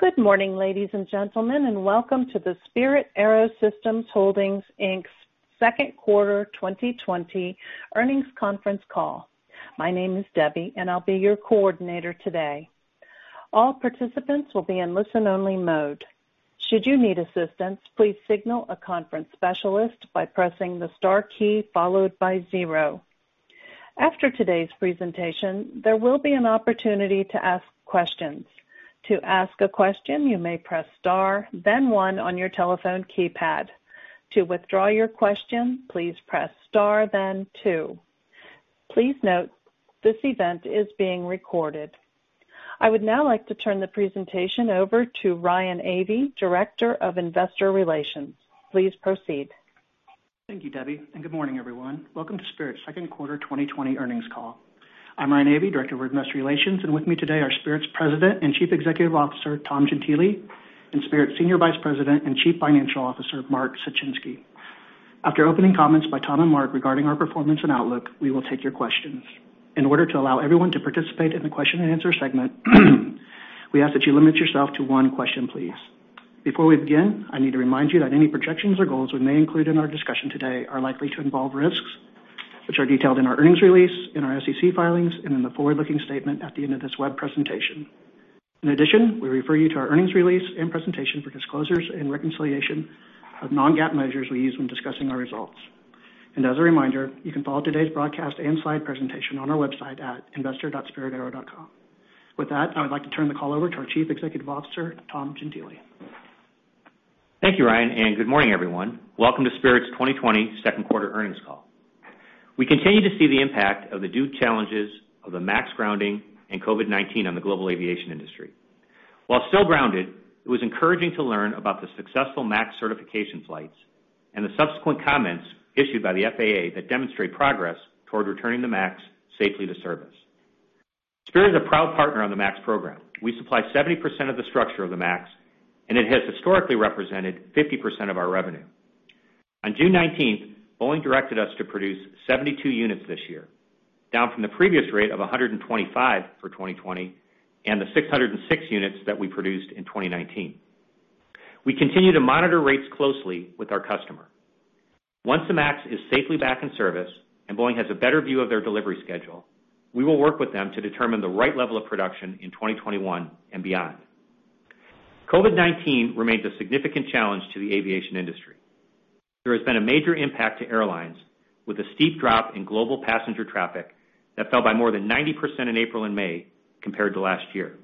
Good morning, ladies and gentlemen, and welcome to the Spirit AeroSystems Holdings, Inc.'s second quarter 2020 earnings conference call. My name is Debbie, and I'll be your coordinator today. All participants will be in listen-only mode. Should you need assistance, please signal a conference specialist by pressing the star key followed by zero. After today's presentation, there will be an opportunity to ask questions. To ask a question, you may press star, then one on your telephone keypad. To withdraw your question, please press star, then two. Please note, this event is being recorded. I would now like to turn the presentation over to Ryan Avey, Director of Investor Relations. Please proceed. Thank you, Debbie, and good morning, everyone. Welcome to Spirit's second quarter 2020 earnings call. I'm Ryan Avey, Director of Investor Relations, and with me today are Spirit's President and Chief Executive Officer, Tom Gentile, and Spirit's Senior Vice President and Chief Financial Officer, Mark Suchinski. After opening comments by Tom and Mark regarding our performance and outlook, we will take your questions. In order to allow everyone to participate in the question-and-answer segment, we ask that you limit yourself to one question, please. Before we begin, I need to remind you that any projections or goals we may include in our discussion today are likely to involve risks, which are detailed in our earnings release, in our SEC filings, and in the forward-looking statement at the end of this web presentation. In addition, we refer you to our earnings release and presentation for disclosures and reconciliation of non-GAAP measures we use when discussing our results. As a reminder, you can follow today's broadcast and slide presentation on our website at investor.spiritaero.com. With that, I would like to turn the call over to our Chief Executive Officer, Tom Gentile. Thank you, Ryan, and good morning, everyone. Welcome to Spirit's 2022 second quarter earnings call. We continue to see the impact of the two challenges of the MAX grounding and COVID-19 on the global aviation industry. While still grounded, it was encouraging to learn about the successful MAX certification flights and the subsequent comments issued by the FAA that demonstrate progress toward returning the MAX safely to service. Spirit is a proud partner on the MAX program. We supply 70% of the structure of the MAX, and it has historically represented 50% of our revenue. On June 19th, Boeing directed us to produce 72 units this year, down from the previous rate of 125 for 2020 and the 606 units that we produced in 2019. We continue to monitor rates closely with our customer. Once the MAX is safely back in service and Boeing has a better view of their delivery schedule, we will work with them to determine the right level of production in 2021 and beyond. COVID-19 remains a significant challenge to the aviation industry. There has been a major impact to airlines, with a steep drop in global passenger traffic that fell by more than 90% in April and May compared to last year.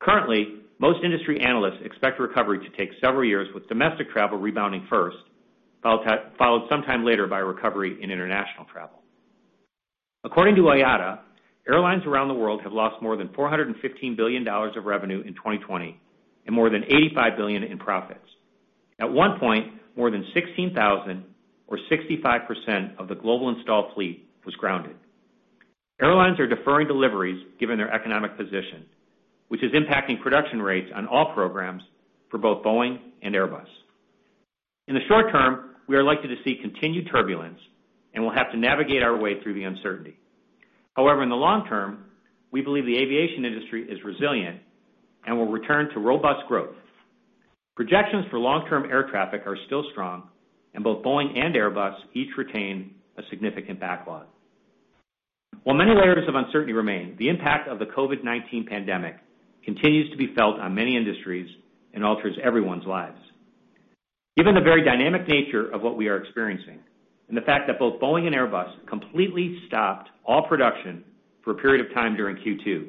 Currently, most industry analysts expect recovery to take several years, with domestic travel rebounding first, followed sometime later by recovery in international travel. According to IATA, airlines around the world have lost more than $415 billion of revenue in 2020 and more than $85 billion in profits. At one point, more than 16,000, or 65% of the global installed fleet, was grounded. Airlines are deferring deliveries given their economic position, which is impacting production rates on all programs for both Boeing and Airbus. In the short term, we are likely to see continued turbulence, and we'll have to navigate our way through the uncertainty. However, in the long term, we believe the aviation industry is resilient and will return to robust growth. Projections for long-term air traffic are still strong, and both Boeing and Airbus each retain a significant backlog. While many layers of uncertainty remain, the impact of the COVID-19 pandemic continues to be felt on many industries and alters everyone's lives. Given the very dynamic nature of what we are experiencing and the fact that both Boeing and Airbus completely stopped all production for a period of time during Q2,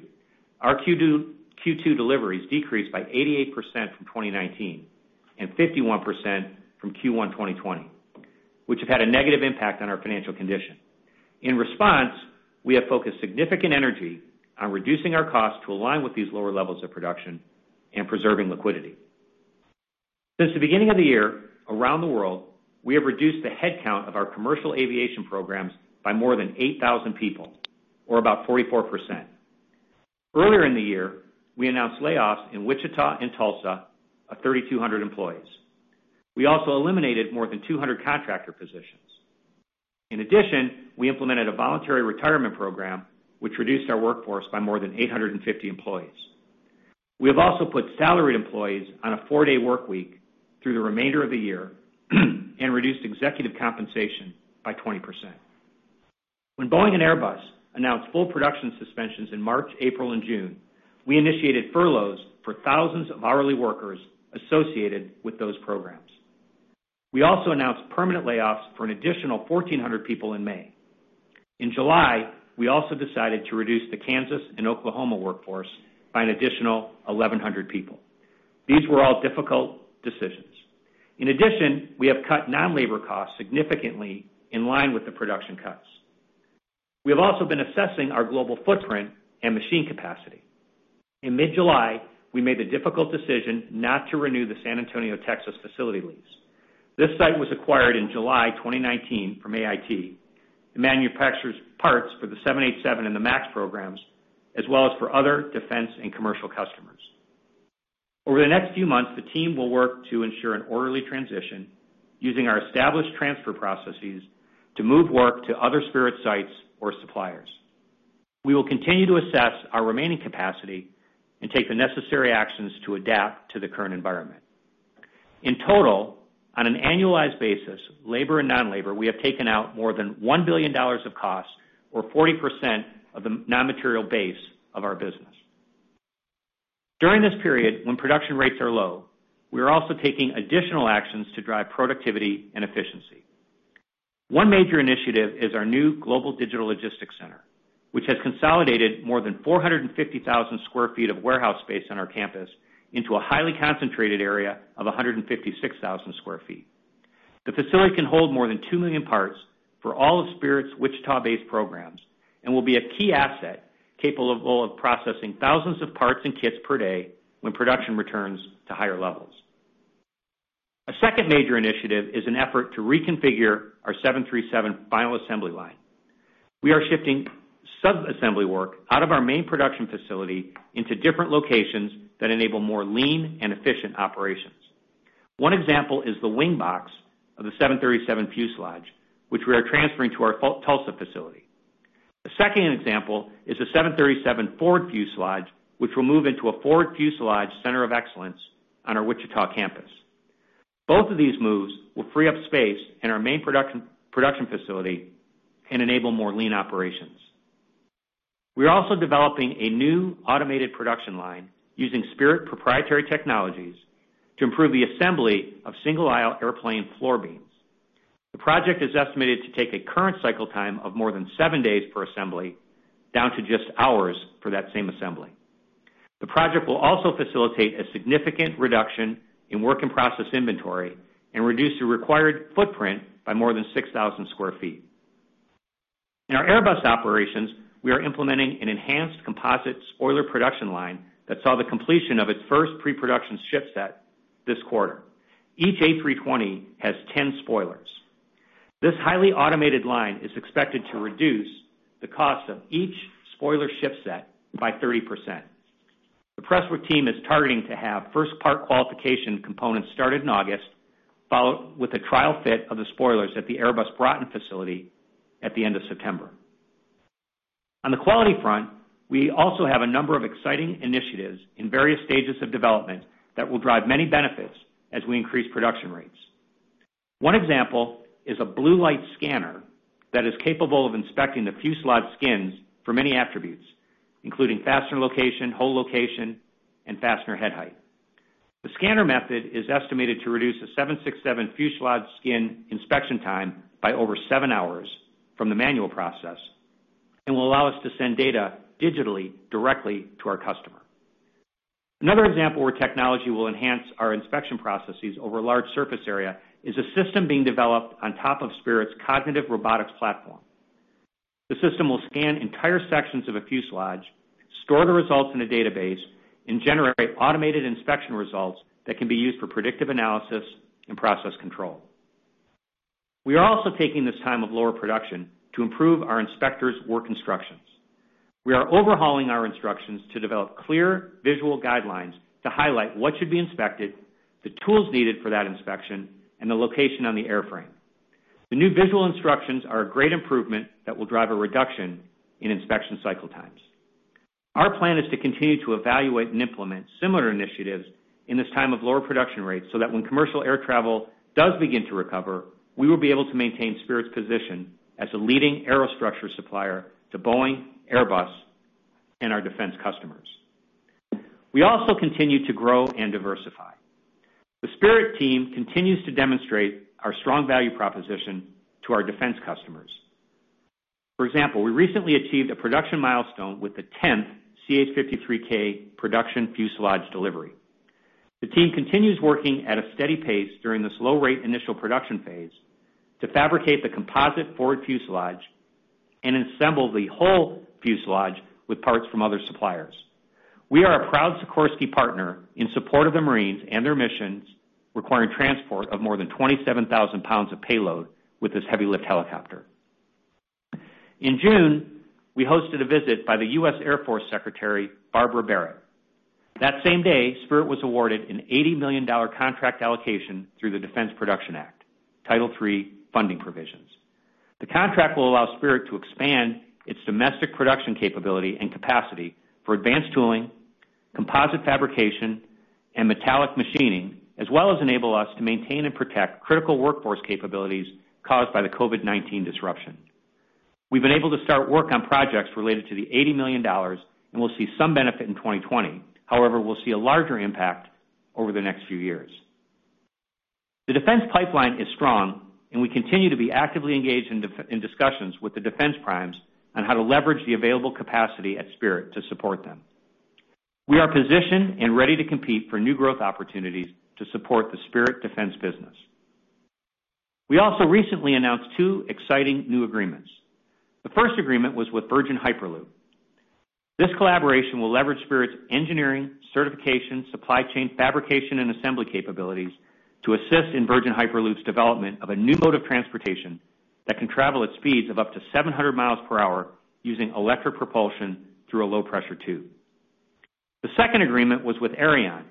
our Q2, Q2 deliveries decreased by 88% from 2019 and 51% from Q1 2020, which have had a negative impact on our financial condition. In response, we have focused significant energy on reducing our costs to align with these lower levels of production and preserving liquidity. Since the beginning of the year, around the world, we have reduced the headcount of our commercial aviation programs by more than 8,000 people, or about 44%. Earlier in the year, we announced layoffs in Wichita and Tulsa of 3,200 employees. We also eliminated more than 200 contractor positions. In addition, we implemented a voluntary retirement program, which reduced our workforce by more than 850 employees. We have also put salaried employees on a four-day workweek through the remainder of the year and reduced executive compensation by 20%. When Boeing and Airbus announced full production suspensions in March, April, and June, we initiated furloughs for thousands of hourly workers associated with those programs. We also announced permanent layoffs for an additional 1,400 people in May. In July, we also decided to reduce the Kansas and Oklahoma workforce by an additional 1,100 people. These were all difficult decisions. In addition, we have cut non-labor costs significantly in line with the production cuts. We have also been assessing our global footprint and machine capacity. In mid-July, we made the difficult decision not to renew the San Antonio, Texas, facility lease. This site was acquired in July 2019 from AIT. It manufactures parts for the 787 and the MAX programs, as well as for other defense and commercial customers....Over the next few months, the team will work to ensure an orderly transition, using our established transfer processes to move work to other Spirit sites or suppliers. We will continue to assess our remaining capacity and take the necessary actions to adapt to the current environment. In total, on an annualized basis, labor and non-labor, we have taken out more than $1 billion of costs, or 40% of the non-material base of our business. During this period, when production rates are low, we are also taking additional actions to drive productivity and efficiency. One major initiative is our new Global Digital Logistics Center, which has consolidated more than 450,000 sq ft of warehouse space on our campus into a highly concentrated area of 156,000 sq ft. The facility can hold more than 2 million parts for all of Spirit's Wichita-based programs and will be a key asset, capable of processing thousands of parts and kits per day when production returns to higher levels. A second major initiative is an effort to reconfigure our 737 final assembly line. We are shifting sub-assembly work out of our main production facility into different locations that enable more lean and efficient operations. One example is the wing box of the 737 fuselage, which we are transferring to our Tulsa facility. The second example is the 737 forward fuselage, which will move into a Forward Fuselage Center of Excellence on our Wichita campus. Both of these moves will free up space in our main production facility and enable more lean operations. We are also developing a new automated production line using Spirit proprietary technologies to improve the assembly of single-aisle airplane floor beams. The project is estimated to take a current cycle time of more than 7 days per assembly, down to just hours for that same assembly. The project will also facilitate a significant reduction in work-in-process inventory and reduce the required footprint by more than 6,000 sq ft. In our Airbus operations, we are implementing an enhanced composite spoiler production line that saw the completion of its first pre-production shipset this quarter. Each A320 has 10 spoilers. This highly automated line is expected to reduce the cost of each spoiler shipset by 30%. The Prestwick team is targeting to have first part qualification components started in August, followed with a trial fit of the spoilers at the Airbus Broughton facility at the end of September. On the quality front, we also have a number of exciting initiatives in various stages of development that will drive many benefits as we increase production rates. One example is a blue light scanner that is capable of inspecting the fuselage skins for many attributes, including fastener location, hole location, and fastener head height. The scanner method is estimated to reduce the 767 fuselage skin inspection time by over 7 hours from the manual process and will allow us to send data digitally, directly to our customer. Another example where technology will enhance our inspection processes over a large surface area is a system being developed on top of Spirit's cognitive robotics platform. The system will scan entire sections of a fuselage, store the results in a database, and generate automated inspection results that can be used for predictive analysis and process control. We are also taking this time of lower production to improve our inspectors' work instructions. We are overhauling our instructions to develop clear visual guidelines to highlight what should be inspected, the tools needed for that inspection, and the location on the airframe. The new visual instructions are a great improvement that will drive a reduction in inspection cycle times. Our plan is to continue to evaluate and implement similar initiatives in this time of lower production rates, so that when commercial air travel does begin to recover, we will be able to maintain Spirit's position as a leading aerostructure supplier to Boeing, Airbus, and our defense customers. We also continue to grow and diversify. The Spirit team continues to demonstrate our strong value proposition to our defense customers. For example, we recently achieved a production milestone with the tenth CH-53K production fuselage delivery. The team continues working at a steady pace during this low rate initial production phase to fabricate the composite forward fuselage and assemble the whole fuselage with parts from other suppliers. We are a proud Sikorsky partner in support of the Marines and their missions, requiring transport of more than 27,000 pounds of payload with this heavy-lift helicopter. In June, we hosted a visit by the U.S. Air Force Secretary, Barbara Barrett. That same day, Spirit was awarded an $80 million contract allocation through the Defense Production Act, Title III funding provisions. The contract will allow Spirit to expand its domestic production capability and capacity for advanced tooling, composite fabrication, and metallic machining, as well as enable us to maintain and protect critical workforce capabilities caused by the COVID-19 disruption. We've been able to start work on projects related to the $80 million, and we'll see some benefit in 2020. However, we'll see a larger impact over the next few years. The defense pipeline is strong, and we continue to be actively engaged in discussions with the defense primes on how to leverage the available capacity at Spirit to support them. We are positioned and ready to compete for new growth opportunities to support the Spirit defense business. We also recently announced two exciting new agreements. The first agreement was with Virgin Hyperloop. This collaboration will leverage Spirit's engineering, certification, supply chain, fabrication, and assembly capabilities to assist in Virgin Hyperloop's development of a new mode of transportation that can travel at speeds of up to 700 miles per hour using electric propulsion through a low-pressure tube. The second agreement was with Aerion,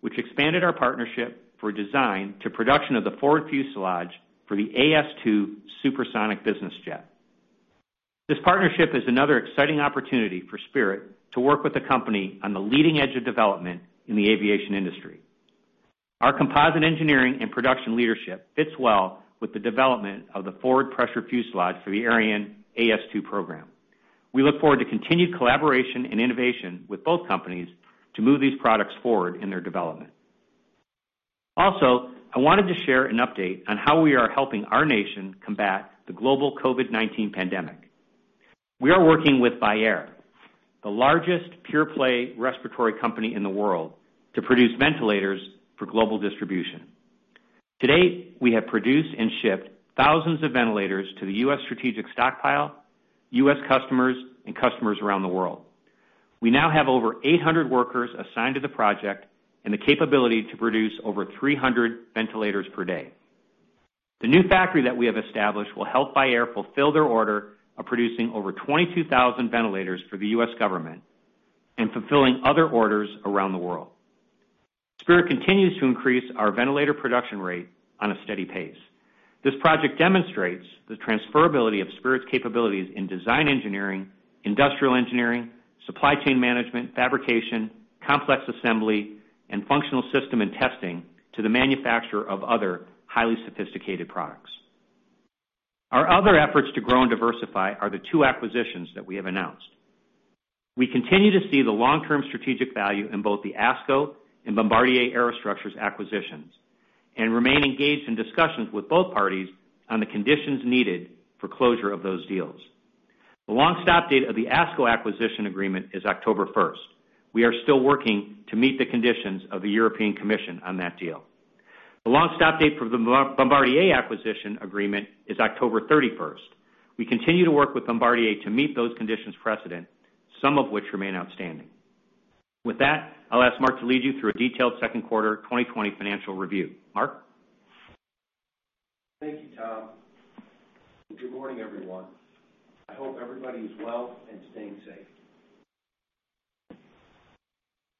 which expanded our partnership for design to production of the forward fuselage for the AS2 supersonic business jet. This partnership is another exciting opportunity for Spirit to work with a company on the leading edge of development in the aviation industry. Our composite engineering and production leadership fits well with the development of the forward pressure fuselage for the Aerion AS2 program. We look forward to continued collaboration and innovation with both companies to move these products forward in their development. Also, I wanted to share an update on how we are helping our nation combat the global COVID-19 pandemic. We are working with Vyaire Medical, the largest pure-play respiratory company in the world, to produce ventilators for global distribution. To date, we have produced and shipped thousands of ventilators to the U.S. Strategic Stockpile, U.S. customers, and customers around the world. We now have over 800 workers assigned to the project and the capability to produce over 300 ventilators per day. The new factory that we have established will help Vyaire Medical fulfill their order of producing over 22,000 ventilators for the U.S. government and fulfilling other orders around the world. Spirit continues to increase our ventilator production rate on a steady pace. This project demonstrates the transferability of Spirit's capabilities in design engineering, industrial engineering, supply chain management, fabrication, complex assembly, and functional system and testing to the manufacturer of other highly sophisticated products. Our other efforts to grow and diversify are the two acquisitions that we have announced. We continue to see the long-term strategic value in both the ASCO and Bombardier Aerostructures acquisitions, and remain engaged in discussions with both parties on the conditions needed for closure of those deals. The long stop date of the ASCO acquisition agreement is October first. We are still working to meet the conditions of the European Commission on that deal. The long stop date for the Bombardier acquisition agreement is October thirty-first. We continue to work with Bombardier to meet those conditions precedent, some of which remain outstanding. With that, I'll ask Mark to lead you through a detailed second quarter 2020 financial review. Mark? Thank you, Tom, and good morning, everyone. I hope everybody is well and staying safe.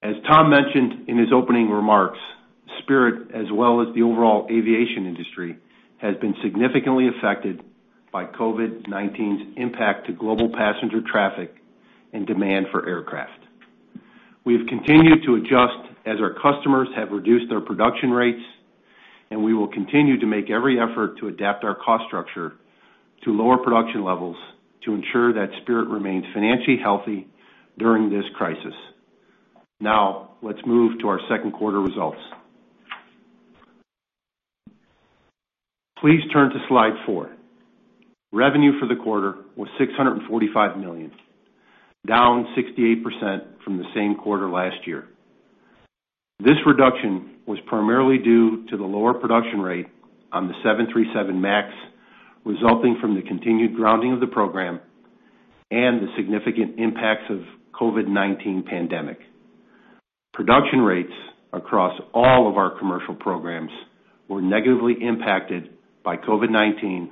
As Tom mentioned in his opening remarks, Spirit, as well as the overall aviation industry, has been significantly affected by COVID-19's impact to global passenger traffic and demand for aircraft. We have continued to adjust as our customers have reduced their production rates, and we will continue to make every effort to adapt our cost structure to lower production levels to ensure that Spirit remains financially healthy during this crisis. Now, let's move to our second quarter results. Please turn to slide four. Revenue for the quarter was $645 million, down 68% from the same quarter last year. This reduction was primarily due to the lower production rate on the 737 MAX, resulting from the continued grounding of the program and the significant impacts of COVID-19 pandemic. Production rates across all of our commercial programs were negatively impacted by COVID-19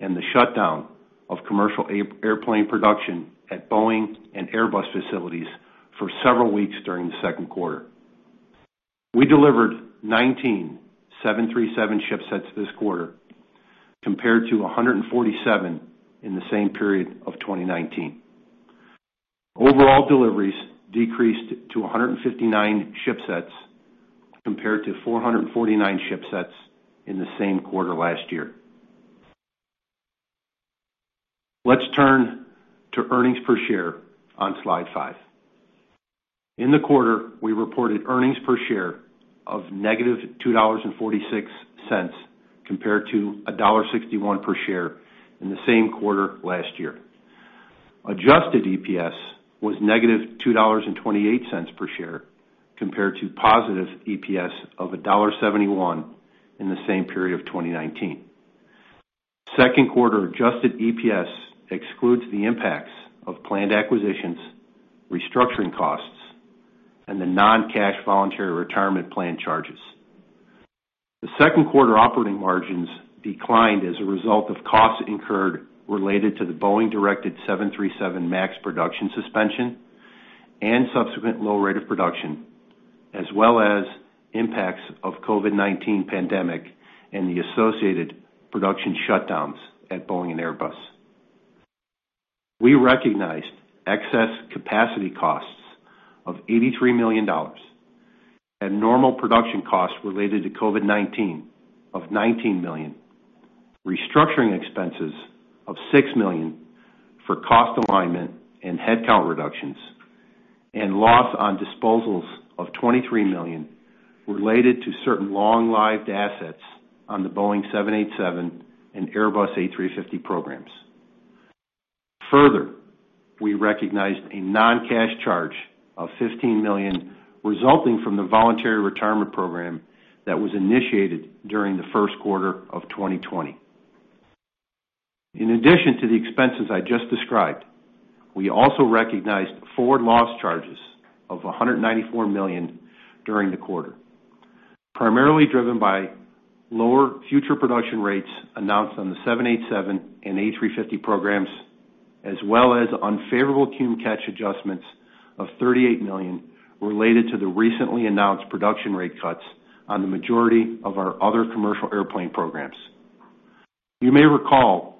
and the shutdown of commercial airplane production at Boeing and Airbus facilities for several weeks during the second quarter. We delivered 19 737 shipsets this quarter, compared to 147 in the same period of 2019. Overall deliveries decreased to 159 shipsets, compared to 449 shipsets in the same quarter last year. Let's turn to earnings per share on slide five. In the quarter, we reported earnings per share of -$2.46, compared to $1.61 per share in the same quarter last year. Adjusted EPS was -$2.28 per share, compared to positive EPS of $1.71 in the same period of 2019. Second quarter adjusted EPS excludes the impacts of planned acquisitions, restructuring costs, and the non-cash voluntary retirement plan charges. The second quarter operating margins declined as a result of costs incurred related to the Boeing-directed 737 MAX production suspension and subsequent low rate of production, as well as impacts of COVID-19 pandemic and the associated production shutdowns at Boeing and Airbus. We recognized excess capacity costs of $83 million and normal production costs related to COVID-19 of $19 million, restructuring expenses of $6 million for cost alignment and headcount reductions, and loss on disposals of $23 million related to certain long-lived assets on the Boeing 787 and Airbus A350 programs. Further, we recognized a non-cash charge of $15 million, resulting from the voluntary retirement program that was initiated during the first quarter of 2020. In addition to the expenses I just described, we also recognized forward loss charges of $194 million during the quarter, primarily driven by lower future production rates announced on the 787 and A350 programs, as well as unfavorable cum catch adjustments of $38 million related to the recently announced production rate cuts on the majority of our other commercial airplane programs. You may recall,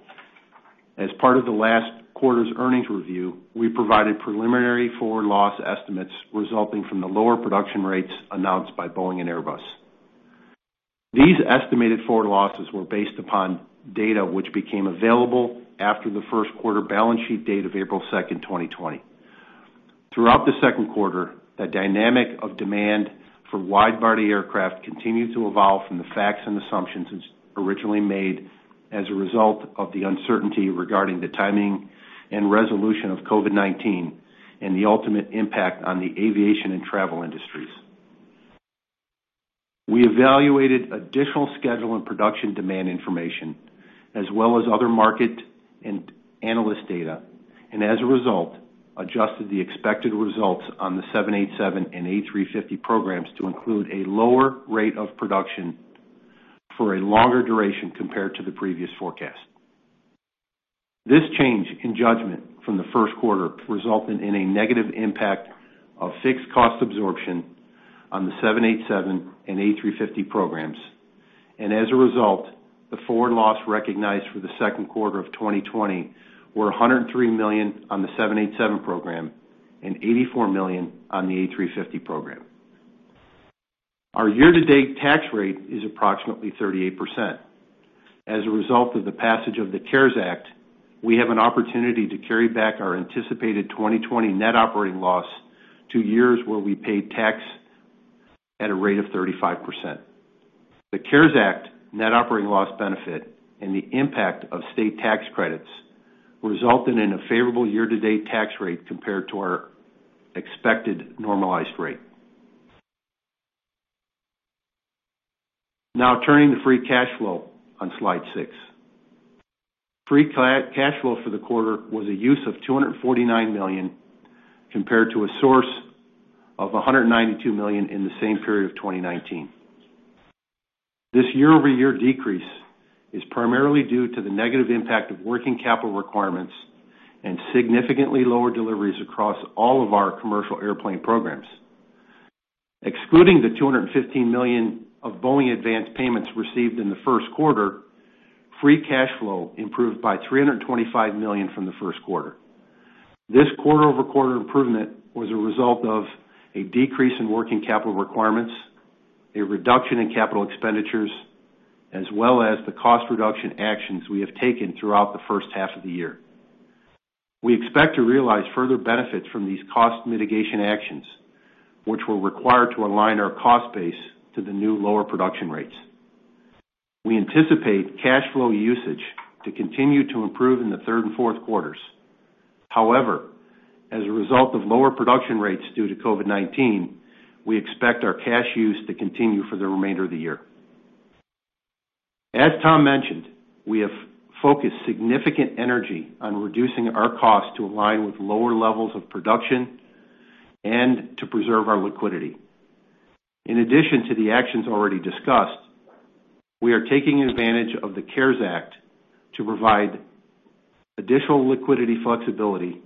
as part of the last quarter's earnings review, we provided preliminary forward loss estimates resulting from the lower production rates announced by Boeing and Airbus. These estimated forward losses were based upon data which became available after the first quarter balance sheet date of April second, 2020. Throughout the second quarter, the dynamic of demand for wide-body aircraft continued to evolve from the facts and assumptions originally made as a result of the uncertainty regarding the timing and resolution of COVID-19, and the ultimate impact on the aviation and travel industries. We evaluated additional schedule and production demand information, as well as other market and analyst data, and as a result, adjusted the expected results on the 787 and A350 programs to include a lower rate of production for a longer duration compared to the previous forecast. This change in judgment from the first quarter resulted in a negative impact of fixed cost absorption on the 787 and A350 programs, and as a result, the forward loss recognized for the second quarter of 2020 were $103 million on the 787 program and $84 million on the A350 program. Our year-to-date tax rate is approximately 38%. As a result of the passage of the CARES Act, we have an opportunity to carry back our anticipated 2020 net operating loss to years where we paid tax at a rate of 35%. The CARES Act net operating loss benefit, and the impact of state tax credits, resulted in a favorable year-to-date tax rate compared to our expected normalized rate. Now, turning to free cash flow on slide six. Free cash flow for the quarter was a use of $249 million, compared to a source of $192 million in the same period of 2019. This year-over-year decrease is primarily due to the negative impact of working capital requirements and significantly lower deliveries across all of our commercial airplane programs. Excluding the $215 million of Boeing advanced payments received in the first quarter, free cash flow improved by $325 million from the first quarter. This quarter-over-quarter improvement was a result of a decrease in working capital requirements, a reduction in capital expenditures, as well as the cost reduction actions we have taken throughout the first half of the year. We expect to realize further benefits from these cost mitigation actions, which were required to align our cost base to the new lower production rates. We anticipate cash flow usage to continue to improve in the third and fourth quarters. However, as a result of lower production rates due to COVID-19, we expect our cash use to continue for the remainder of the year. As Tom mentioned, we have focused significant energy on reducing our costs to align with lower levels of production and to preserve our liquidity. In addition to the actions already discussed, we are taking advantage of the CARES Act to provide additional liquidity flexibility,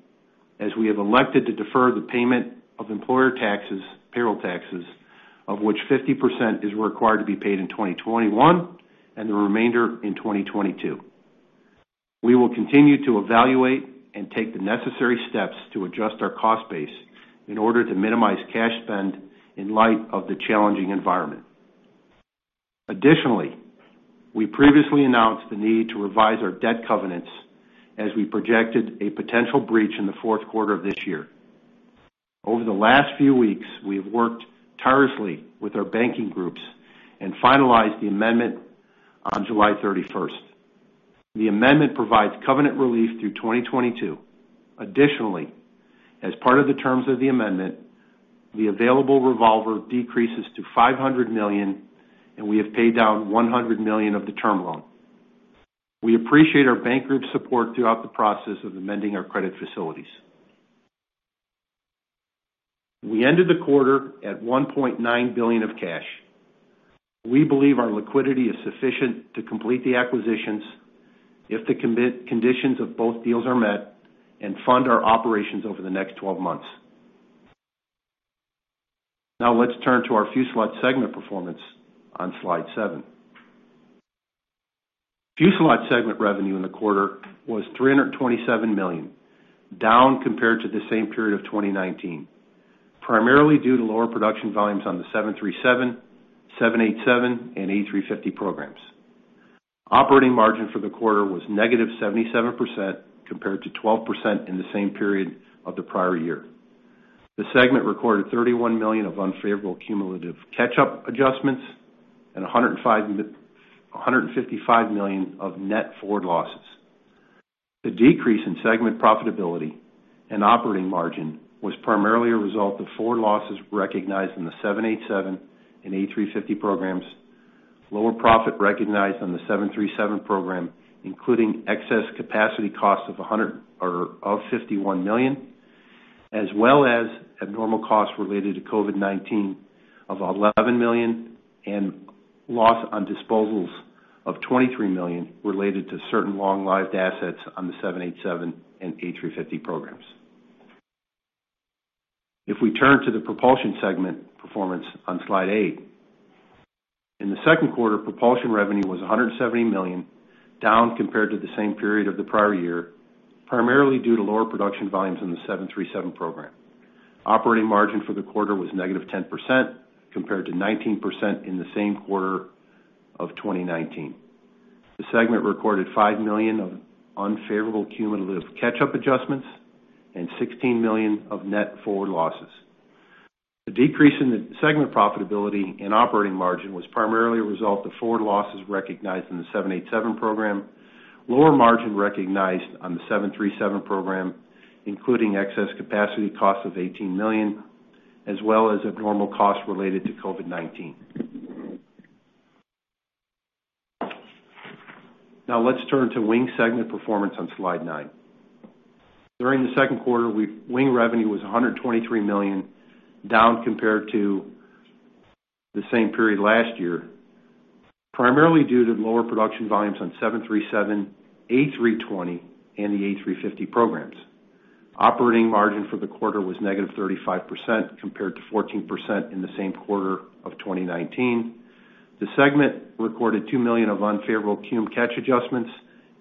as we have elected to defer the payment of employer taxes, payroll taxes, of which 50% is required to be paid in 2021, and the remainder in 2022. We will continue to evaluate and take the necessary steps to adjust our cost base in order to minimize cash spend in light of the challenging environment. Additionally, we previously announced the need to revise our debt covenants as we projected a potential breach in the fourth quarter of this year. Over the last few weeks, we have worked tirelessly with our banking groups and finalized the amendment on July 31st. The amendment provides covenant relief through 2022. Additionally, as part of the terms of the amendment, the available revolver decreases to $500 million, and we have paid down $100 million of the term loan. We appreciate our bank group's support throughout the process of amending our credit facilities. We ended the quarter at $1.9 billion of cash. We believe our liquidity is sufficient to complete the acquisitions, if the conditions of both deals are met, and fund our operations over the next twelve months. Now, let's turn to our Fuselage segment performance on slide seven. Fuselage segment revenue in the quarter was $327 million, down compared to the same period of 2019, primarily due to lower production volumes on the 737, 787, and A350 programs. Operating margin for the quarter was -77%, compared to 12% in the same period of the prior year. The segment recorded $31 million of unfavorable cumulative catch-up adjustments and $155 million of net forward losses. The decrease in segment profitability and operating margin was primarily a result of forward losses recognized in the 787 and A350 programs. Lower profit recognized on the 737 program, including excess capacity costs of $100, or $51 million, as well as abnormal costs related to COVID-19 of $11 million, and loss on disposals of $23 million related to certain long-lived assets on the 787 and A350 programs. If we turn to the propulsion segment performance on slide eight, in the second quarter, propulsion revenue was $170 million, down compared to the same period of the prior year, primarily due to lower production volumes in the 737 program. Operating margin for the quarter was -10%, compared to 19% in the same quarter of 2019. The segment recorded $5 million of unfavorable cumulative catch-up adjustments and $16 million of net forward losses. The decrease in the segment profitability and operating margin was primarily a result of forward losses recognized in the 787 program, lower margin recognized on the 737 program, including excess capacity costs of $18 million, as well as abnormal costs related to COVID-19. Now, let's turn to wing segment performance on slide nine. During the second quarter, wing revenue was $123 million, down compared to the same period last year, primarily due to lower production volumes on 737, A320, and the A350 programs. Operating margin for the quarter was -35%, compared to 14% in the same quarter of 2019. The segment recorded $2 million of unfavorable cum catch adjustments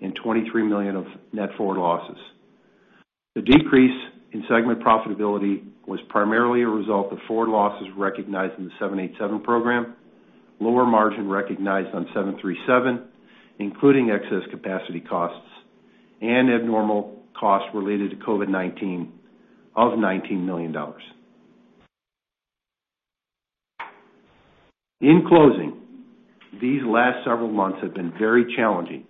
and $23 million of net forward losses. The decrease in segment profitability was primarily a result of forward losses recognized in the 787 program, lower margin recognized on 737, including excess capacity costs and abnormal costs related to COVID-19 of $19 million. In closing, these last several months have been very challenging,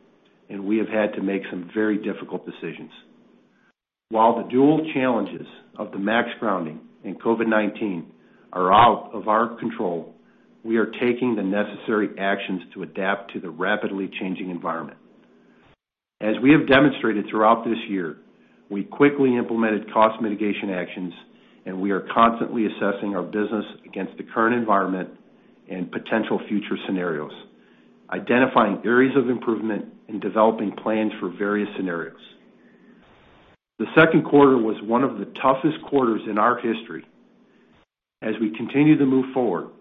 and we have had to make some very difficult decisions. While the dual challenges of the MAX grounding and COVID-19 are out of our control, we are taking the necessary actions to adapt to the rapidly changing environment. As we have demonstrated throughout this year, we quickly implemented cost mitigation actions, and we are constantly assessing our business against the current environment and potential future scenarios, identifying areas of improvement and developing plans for various scenarios. The second quarter was one of the toughest quarters in our history. As we continue to move forward,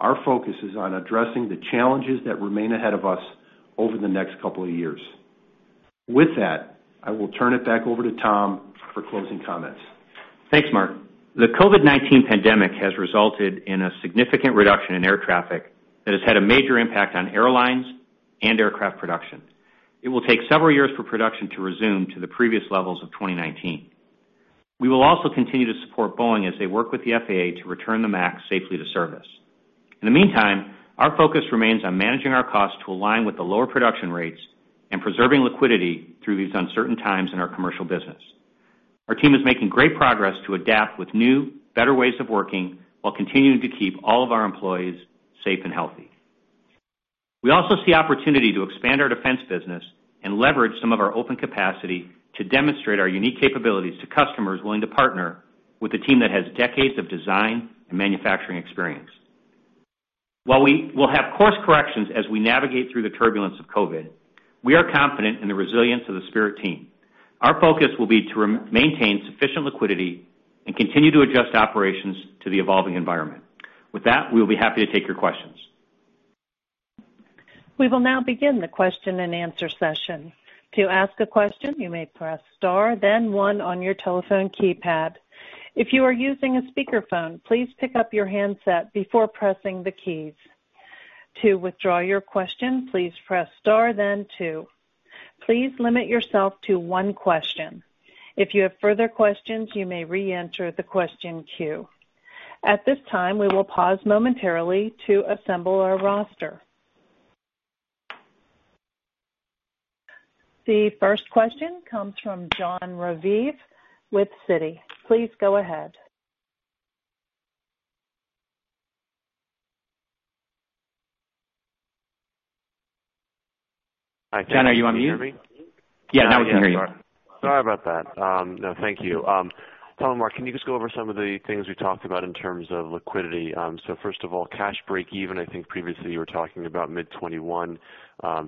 our focus is on addressing the challenges that remain ahead of us over the next couple of years. With that, I will turn it back over to Tom for closing comments. Thanks, Mark. The COVID-19 pandemic has resulted in a significant reduction in air traffic that has had a major impact on airlines and aircraft production. It will take several years for production to resume to the previous levels of 2019. We will also continue to support Boeing as they work with the FAA to return the MAX safely to service. In the meantime, our focus remains on managing our costs to align with the lower production rates and preserving liquidity through these uncertain times in our commercial business. Our team is making great progress to adapt with new, better ways of working, while continuing to keep all of our employees safe and healthy. We also see opportunity to expand our defense business and leverage some of our open capacity to demonstrate our unique capabilities to customers willing to partner with a team that has decades of design and manufacturing experience. While we will have course corrections as we navigate through the turbulence of COVID, we are confident in the resilience of the Spirit team. Our focus will be to maintain sufficient liquidity and continue to adjust operations to the evolving environment. With that, we will be happy to take your questions. We will now begin the question-and-answer session. To ask a question, you may press star, then one on your telephone keypad. If you are using a speakerphone, please pick up your handset before pressing the keys. To withdraw your question, please press star, then two. Please limit yourself to one question. If you have further questions, you may reenter the question queue. At this time, we will pause momentarily to assemble our roster. The first question comes from Jon Raviv with Citi. Please go ahead. Jon, are you on mute? Can you hear me? Yeah, now we can hear you. Sorry about that. No, thank you. Tom and Mark, can you just go over some of the things we talked about in terms of liquidity? So first of all, cash breakeven, I think previously you were talking about mid-2021.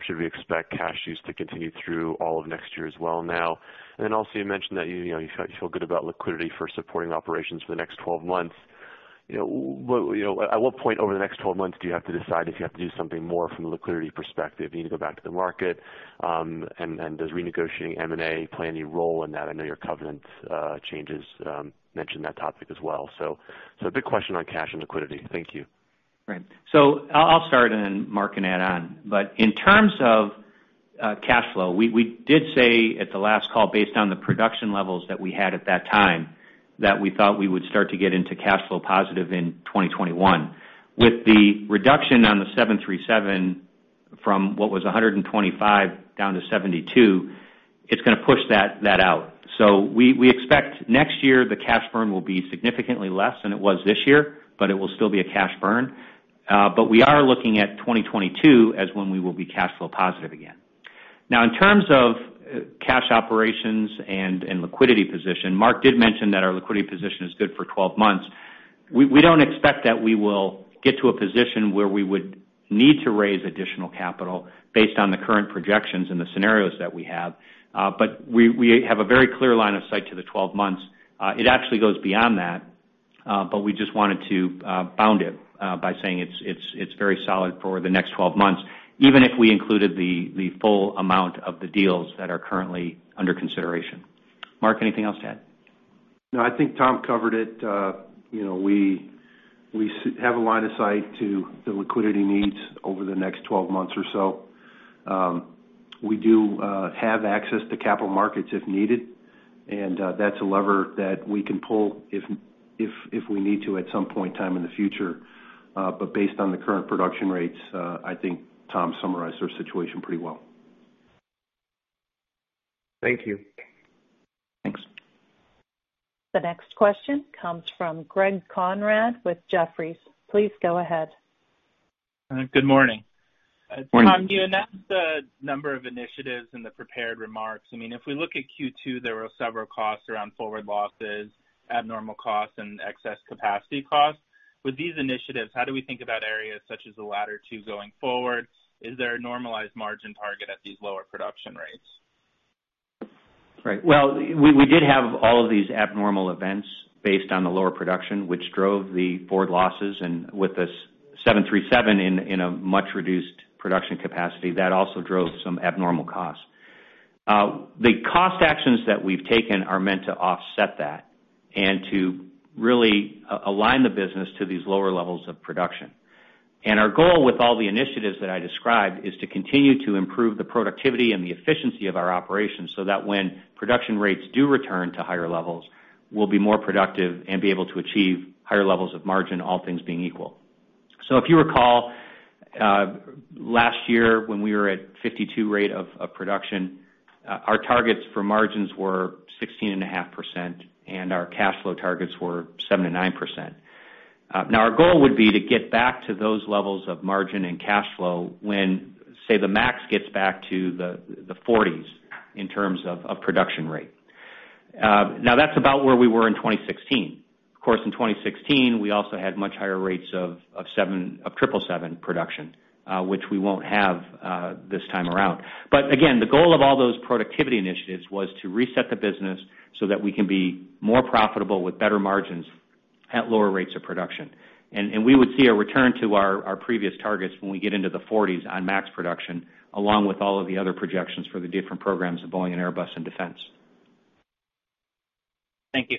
Should we expect cash use to continue through all of next year as well now? And then also, you mentioned that you, you know, you feel good about liquidity for supporting operations for the next 12 months. You know, what, you know, at what point over the next 12 months do you have to decide if you have to do something more from a liquidity perspective? Do you need to go back to the market? And, and does renegotiating M&A play any role in that? I know your covenant changes mentioned that topic as well. So a big question on cash and liquidity. Thank you. Right. So I'll start, and then Mark can add on. But in terms of cash flow, we did say at the last call, based on the production levels that we had at that time, that we thought we would start to get into cash flow positive in 2021. With the reduction on the 737 from what was 125 down to 72, it's going to push that out. So we expect next year, the cash burn will be significantly less than it was this year, but it will still be a cash burn. But we are looking at 2022 as when we will be cash flow positive again. Now, in terms of cash operations and liquidity position, Mark did mention that our liquidity position is good for 12 months. We, we don't expect that we will get to a position where we would need to raise additional capital based on the current projections and the scenarios that we have. But we, we have a very clear line of sight to the 12 months. It actually goes beyond that, but we just wanted to bound it by saying it's, it's, it's very solid for the next 12 months, even if we included the, the full amount of the deals that are currently under consideration. Mark, anything else to add? No, I think Tom covered it. You know, we have a line of sight to the liquidity needs over the next 12 months or so. We do have access to capital markets if needed, and that's a lever that we can pull if we need to, at some point in time in the future. But based on the current production rates, I think Tom summarized our situation pretty well. Thank you. Thanks. The next question comes from Greg Conrad with Jefferies. Please go ahead. Good morning. Morning. Tom, you announced a number of initiatives in the prepared remarks. I mean, if we look at Q2, there were several costs around forward losses, abnormal costs, and excess capacity costs. With these initiatives, how do we think about areas such as the latter two going forward? Is there a normalized margin target at these lower production rates? Right. Well, we did have all of these abnormal events based on the lower production, which drove the forward losses, and with the 737 in a much reduced production capacity, that also drove some abnormal costs. The cost actions that we've taken are meant to offset that and to really align the business to these lower levels of production. Our goal with all the initiatives that I described is to continue to improve the productivity and the efficiency of our operations, so that when production rates do return to higher levels, we'll be more productive and be able to achieve higher levels of margin, all things being equal. So if you recall, last year, when we were at 52 rate of production, our targets for margins were 16.5%, and our cash flow targets were 7%-9%. Now, our goal would be to get back to those levels of margin and cash flow when, say, the MAX gets back to the 40s in terms of production rate. Now, that's about where we were in 2016. Of course, in 2016, we also had much higher rates of 777 production, which we won't have this time around. But again, the goal of all those productivity initiatives was to reset the business so that we can be more profitable with better margins at lower rates of production. And we would see a return to our previous targets when we get into the 40s on MAX production, along with all of the other projections for the different programs of Boeing and Airbus and Defense. Thank you.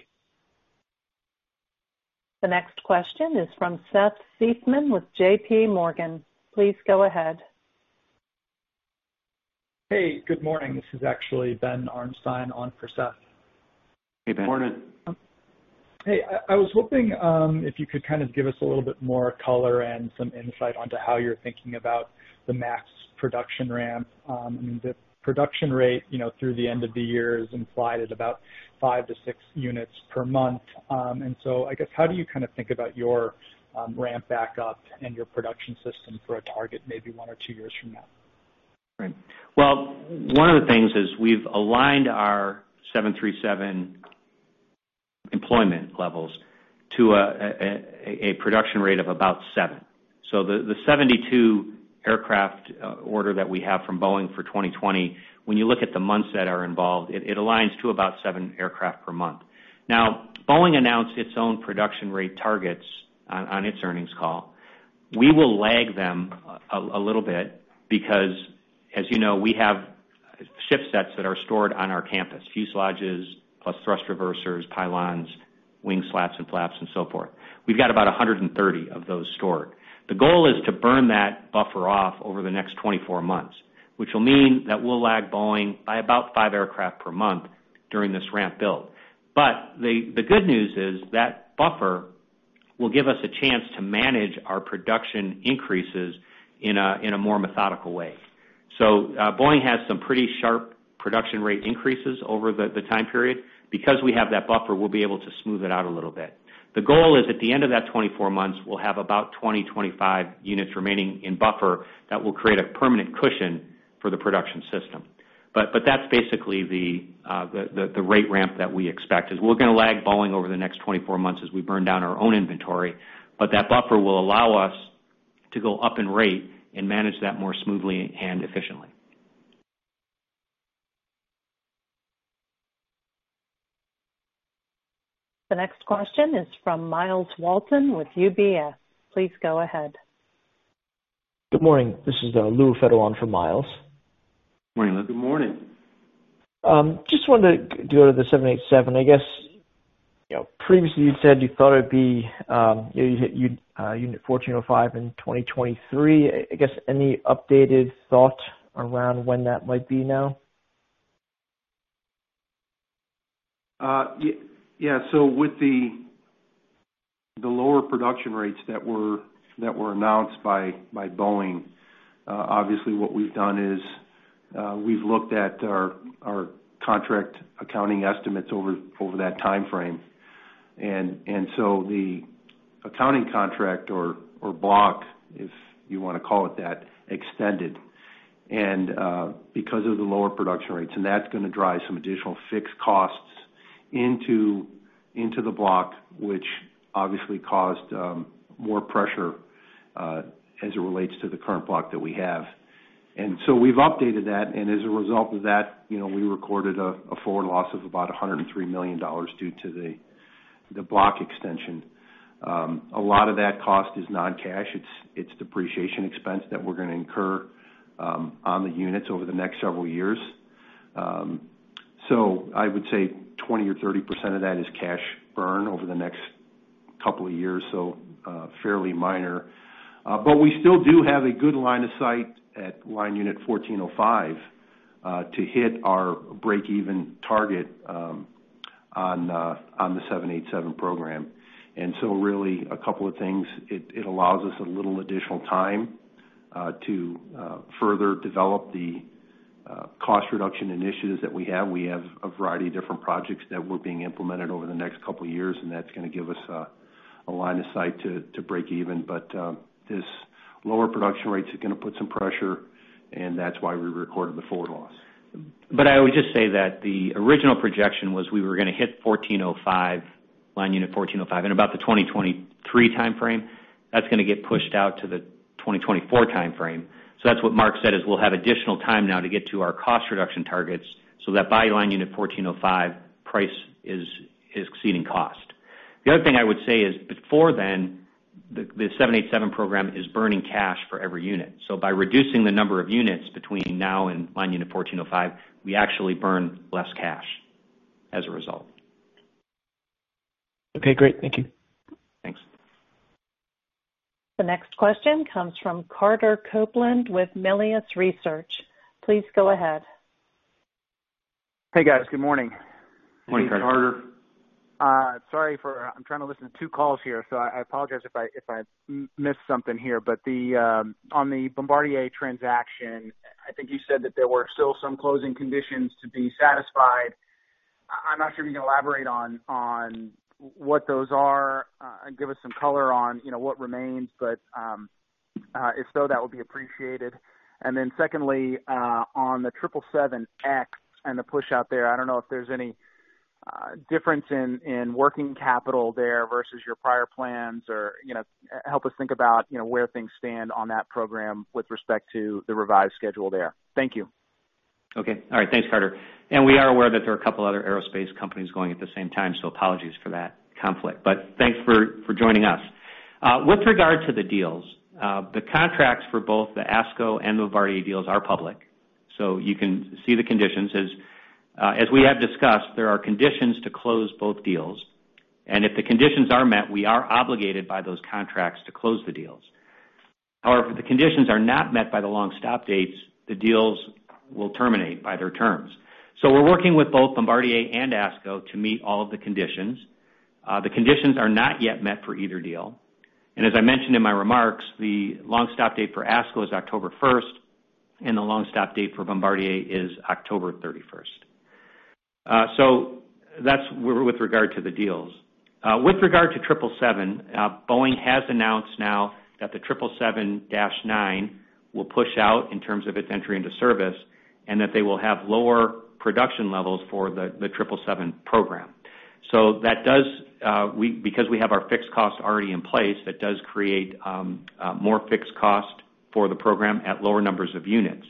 The next question is from Seth Seifman with J.P. Morgan. Please go ahead. Hey, good morning. This is actually Ben Arnstein on for Seth. Hey, Ben. Morning. Hey, I was hoping if you could kind of give us a little bit more color and some insight onto how you're thinking about the MAX production ramp? The production rate, you know, through the end of the year is implied at about 5-6 units per month. And so I guess, how do you kind of think about your ramp back up and your production system for a target, maybe 1 or 2 years from now? Right. Well, one of the things is we've aligned our 737 employment levels to a production rate of about 7. So the 72 aircraft order that we have from Boeing for 2020, when you look at the months that are involved, it aligns to about 7 aircraft per month. Now, Boeing announced its own production rate targets on its earnings call. We will lag them a little bit because, as you know, we have shipsets that are stored on our campus, fuselages, plus thrust reversers, pylons, wing slats and flaps, and so forth. We've got about 130 of those stored. The goal is to burn that buffer off over the next 24 months, which will mean that we'll lag Boeing by about 5 aircraft per month during this ramp build. But the good news is that buffer will give us a chance to manage our production increases in a more methodical way. So, Boeing has some pretty sharp production rate increases over the time period. Because we have that buffer, we'll be able to smooth it out a little bit. The goal is, at the end of that 24 months, we'll have about 20-25 units remaining in buffer that will create a permanent cushion for the production system. But that's basically the rate ramp that we expect, is we're going to lag Boeing over the next 24 months as we burn down our own inventory, but that buffer will allow us to go up in rate and manage that more smoothly and efficiently. The next question is from Miles Walton with UBS. Please go ahead. Good morning. This is, Louis Raffetto on for Miles. Good morning, Lou. Good morning. Just wanted to go to the 787. I guess, you know, previously, you said you thought it'd be, you'd, you'd, unit 1405 in 2023. I guess, any updated thought around when that might be now? Yeah, so with the lower production rates that were announced by Boeing, obviously, what we've done is, we've looked at our contract accounting estimates over that timeframe. So the accounting contract or block, if you wanna call it that, extended, and because of the lower production rates, and that's gonna drive some additional fixed costs into the block, which obviously caused more pressure as it relates to the current block that we have. We've updated that, and as a result of that, you know, we recorded a forward loss of about $103 million due to the block extension. A lot of that cost is non-cash. It's depreciation expense that we're gonna incur on the units over the next several years. So I would say 20%-30% of that is cash burn over the next couple of years, so, fairly minor. But we still do have a good line of sight at line unit 1405, to hit our break-even target, on, on the 787 program. And so really a couple of things, it allows us a little additional time, to, further develop the, cost reduction initiatives that we have. We have a variety of different projects that were being implemented over the next couple of years, and that's gonna give us a line of sight to break even. But, this lower production rates are gonna put some pressure, and that's why we recorded the forward loss. But I would just say that the original projection was we were gonna hit 1405, line unit 1405 in about the 2023 timeframe. That's gonna get pushed out to the 2024 timeframe. So that's what Mark said, is we'll have additional time now to get to our cost reduction targets, so that by line unit 1405, price is exceeding cost. The other thing I would say is, before then, the 787 program is burning cash for every unit. So by reducing the number of units between now and line unit 1405, we actually burn less cash as a result. Okay, great. Thank you. Thanks. The next question comes from Carter Copeland with Melius Research. Please go ahead. Hey, guys. Good morning. Morning, Carter. Sorry for-- I'm trying to listen to two calls here, so I, I apologize if I, if I missed something here. But the on the Bombardier transaction, I think you said that there were still some closing conditions to be satisfied. I'm not sure if you can elaborate on what those are, and give us some color on, you know, what remains. But if so, that would be appreciated. And then secondly, on the 777X and the pushout there, I don't know if there's any difference in working capital there versus your prior plans, or, you know, help us think about, you know, where things stand on that program with respect to the revised schedule there. Thank you. Okay. All right. Thanks, Carter. We are aware that there are a couple other aerospace companies going at the same time, so apologies for that conflict. But thanks for, for joining us. With regard to the deals, the contracts for both the ASCO and Bombardier deals are public, so you can see the conditions. As, as we have discussed, there are conditions to close both deals, and if the conditions are met, we are obligated by those contracts to close the deals. However, if the conditions are not met by the long stop dates, the deals will terminate by their terms. So we're working with both Bombardier and ASCO to meet all of the conditions. The conditions are not yet met for either deal, and as I mentioned in my remarks, the long stop date for ASCO is October first, and the long stop date for Bombardier is October thirty-first. So that's with regard to the deals. With regard to 777, Boeing has announced now that the 777-9 will push out in terms of its entry into service, and that they will have lower production levels for the 777 program. So that does, because we have our fixed costs already in place, that does create more fixed cost for the program at lower numbers of units.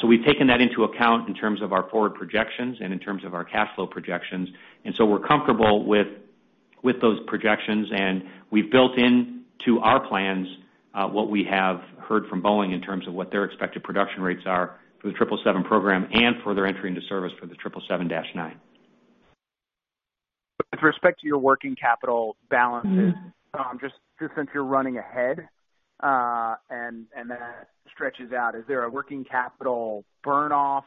So we've taken that into account in terms of our forward projections and in terms of our cash flow projections, and so we're comfortable with those projections, and we've built in to our plans what we have heard from Boeing in terms of what their expected production rates are for the 777 program and for their entry into service for the 777-9. With respect to your working capital balances, just, just since you're running ahead, and, and that stretches out, is there a working capital burn off,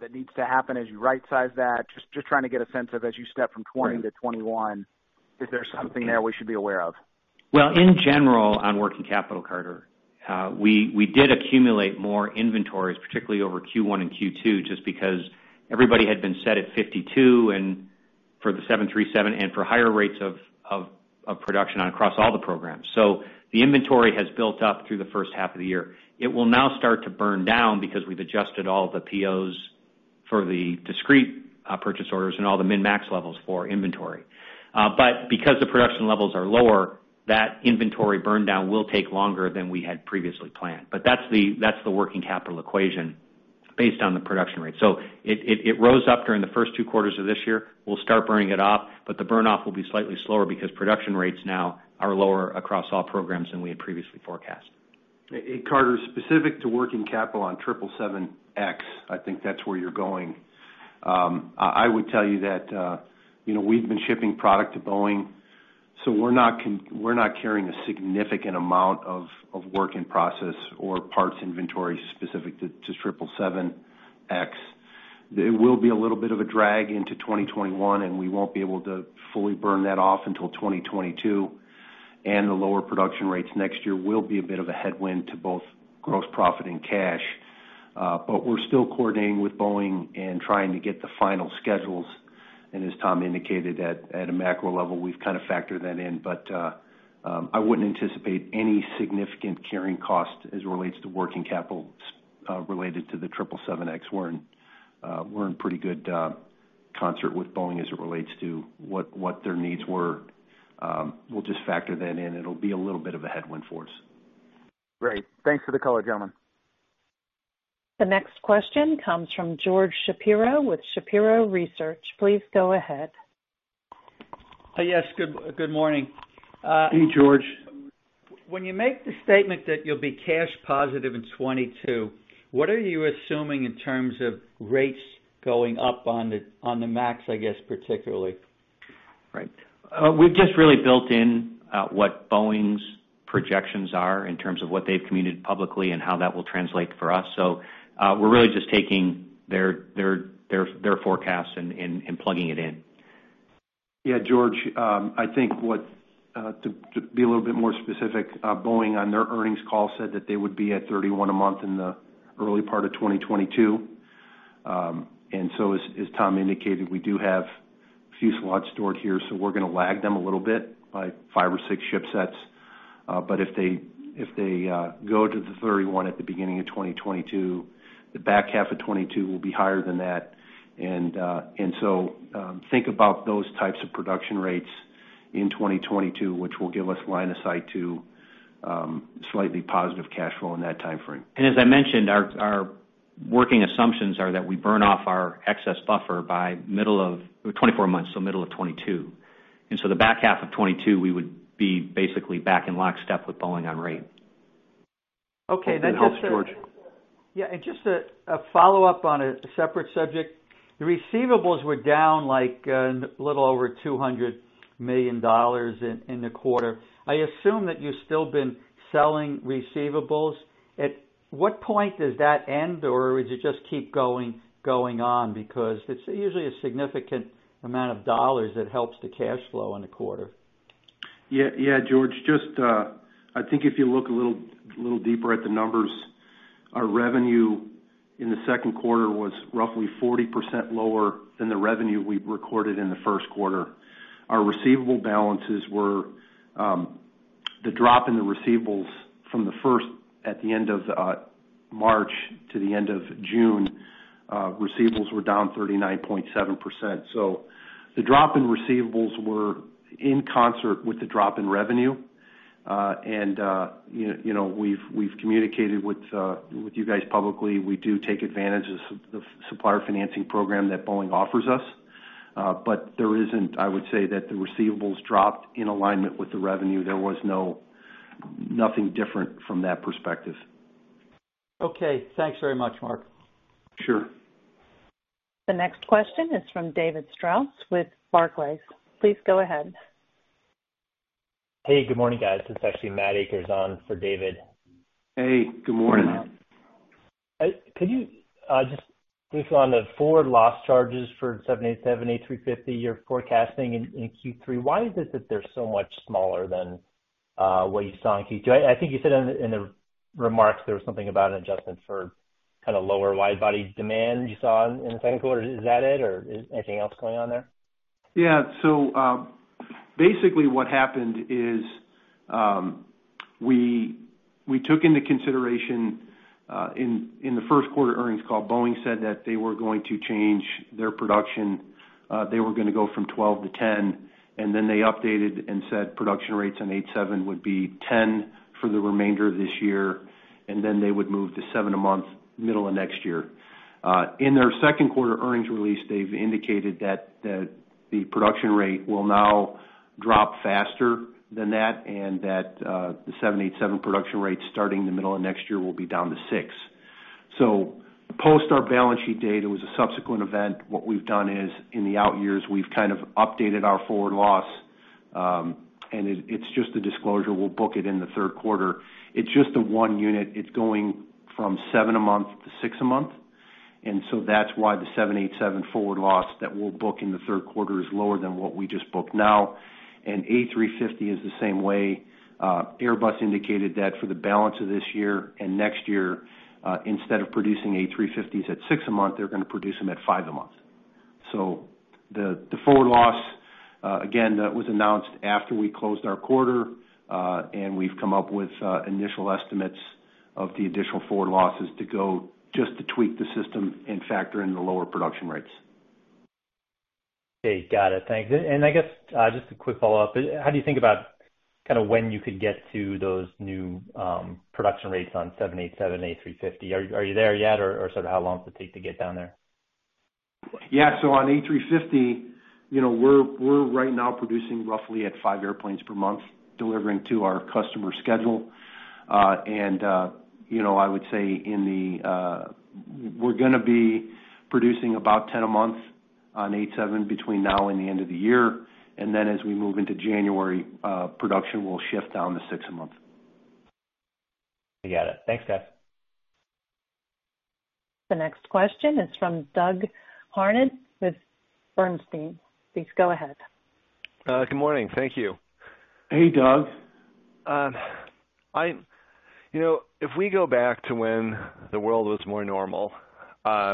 that needs to happen as you rightsize that? Just, just trying to get a sense of as you step from 2020 to 2021, is there something there we should be aware of? Well, in general, on working capital, Carter, we did accumulate more inventories, particularly over Q1 and Q2, just because everybody had been set at 52, and for the 737 and for higher rates of production across all the programs. So the inventory has built up through the first half of the year. It will now start to burn down because we've adjusted all the POs for the discrete purchase orders and all the min-max levels for inventory. But because the production levels are lower, that inventory burn down will take longer than we had previously planned. But that's the working capital equation based on the production rate. So it rose up during the first two quarters of this year. We'll start burning it off, but the burn off will be slightly slower because production rates now are lower across all programs than we had previously forecast. Carter, specific to working capital on 777X, I think that's where you're going. I would tell you that, you know, we've been shipping product to Boeing... So we're not carrying a significant amount of work in process or parts inventory specific to 777X. It will be a little bit of a drag into 2021, and we won't be able to fully burn that off until 2022, and the lower production rates next year will be a bit of a headwind to both gross profit and cash. But we're still coordinating with Boeing and trying to get the final schedules, and as Tom indicated, at a macro level, we've kind of factored that in. But, I wouldn't anticipate any significant carrying cost as it relates to working capital related to the 777X. We're in pretty good concert with Boeing as it relates to what their needs were. We'll just factor that in; it'll be a little bit of a headwind for us. Great. Thanks for the color, gentlemen. The next question comes from George Shapiro with Shapiro Research. Please go ahead. Yes, good morning. Hey, George. When you make the statement that you'll be cash positive in 2022, what are you assuming in terms of rates going up on the MAX, I guess, particularly? Right. We've just really built in what Boeing's projections are in terms of what they've communicated publicly and how that will translate for us. So, we're really just taking their forecasts and plugging it in. Yeah, George, I think, to be a little bit more specific, Boeing, on their earnings call, said that they would be at 31 a month in the early part of 2022. And so as Tom indicated, we do have a few slots stored here, so we're gonna lag them a little bit, by 5 or 6 ship sets. But if they go to the 31 at the beginning of 2022, the back half of '22 will be higher than that. And so, think about those types of production rates in 2022, which will give us line of sight to slightly positive cash flow in that timeframe. As I mentioned, our working assumptions are that we burn off our excess buffer by middle of 24 months, so middle of 2022. And so the back half of 2022, we would be basically back in lockstep with Boeing on rate. Okay, and then just- Hope that helps, George. Yeah, and just a follow-up on a separate subject. The receivables were down, like, a little over $200 million in the quarter. I assume that you've still been selling receivables. At what point does that end, or would you just keep going on? Because it's usually a significant amount of dollars that helps the cash flow in the quarter. Yeah, yeah, George, just, I think if you look a little, little deeper at the numbers, our revenue in the second quarter was roughly 40% lower than the revenue we recorded in the first quarter. Our receivable balances were, the drop in the receivables from the first, at the end of, March to the end of June, receivables were down 39.7%. So the drop in receivables were in concert with the drop in revenue. And, you know, we've, we've communicated with, with you guys publicly, we do take advantage of the supplier financing program that Boeing offers us. But there isn't, I would say that the receivables dropped in alignment with the revenue. There was nothing different from that perspective. Okay. Thanks very much, Mark. Sure. The next question is from David Strauss with Barclays. Please go ahead. Hey, good morning, guys. It's actually Matt Akers on for David. Hey, good morning. Could you just briefly on the forward loss charges for 787, A350, you're forecasting in Q3, why is it that they're so much smaller than what you saw in Q2? I think you said in the remarks, there was something about an adjustment for kind of lower wide-body demand you saw in the second quarter. Is that it, or is anything else going on there? Yeah. So, basically, what happened is, we took into consideration, in the first quarter earnings call, Boeing said that they were going to change their production. They were gonna go from 12 to 10, and then they updated and said production rates on 787 would be 10 for the remainder of this year, and then they would move to 7 a month, middle of next year. In their second quarter earnings release, they've indicated that the production rate will now drop faster than that, and that the 787 production rate starting in the middle of next year will be down to 6. So post our balance sheet date, it was a subsequent event. What we've done is, in the out years, we've kind of updated our forward loss, and it's just a disclosure. We'll book it in the third quarter. It's just the one unit. It's going from 7 a month to 6 a month, and so that's why the 787 forward loss that we'll book in the third quarter is lower than what we just booked now. A350 is the same way. Airbus indicated that for the balance of this year and next year, instead of producing A350s at 6 a month, they're gonna produce them at 5 a month. So the forward loss, again, that was announced after we closed our quarter, and we've come up with initial estimates of the additional forward losses to go just to tweak the system and factor in the lower production rates. Okay. Got it. Thanks. And I guess, just a quick follow-up. How do you think about kind of when you could get to those new, production rates on 787, A350? Are, are you there yet, or, or sort of how long does it take to get down there? Yeah. So on A350, you know, we're right now producing roughly at 5 airplanes per month, delivering to our customer schedule. And you know, I would say in the, we're gonna be producing about 10 a month on 787 between now and the end of the year. And then as we move into January, production will shift down to 6 a month. I get it. Thanks, guys. The next question is from Doug Harned with Bernstein. Please go ahead. Good morning. Thank you. Hey, Doug. You know, if we go back to when the world was more normal, you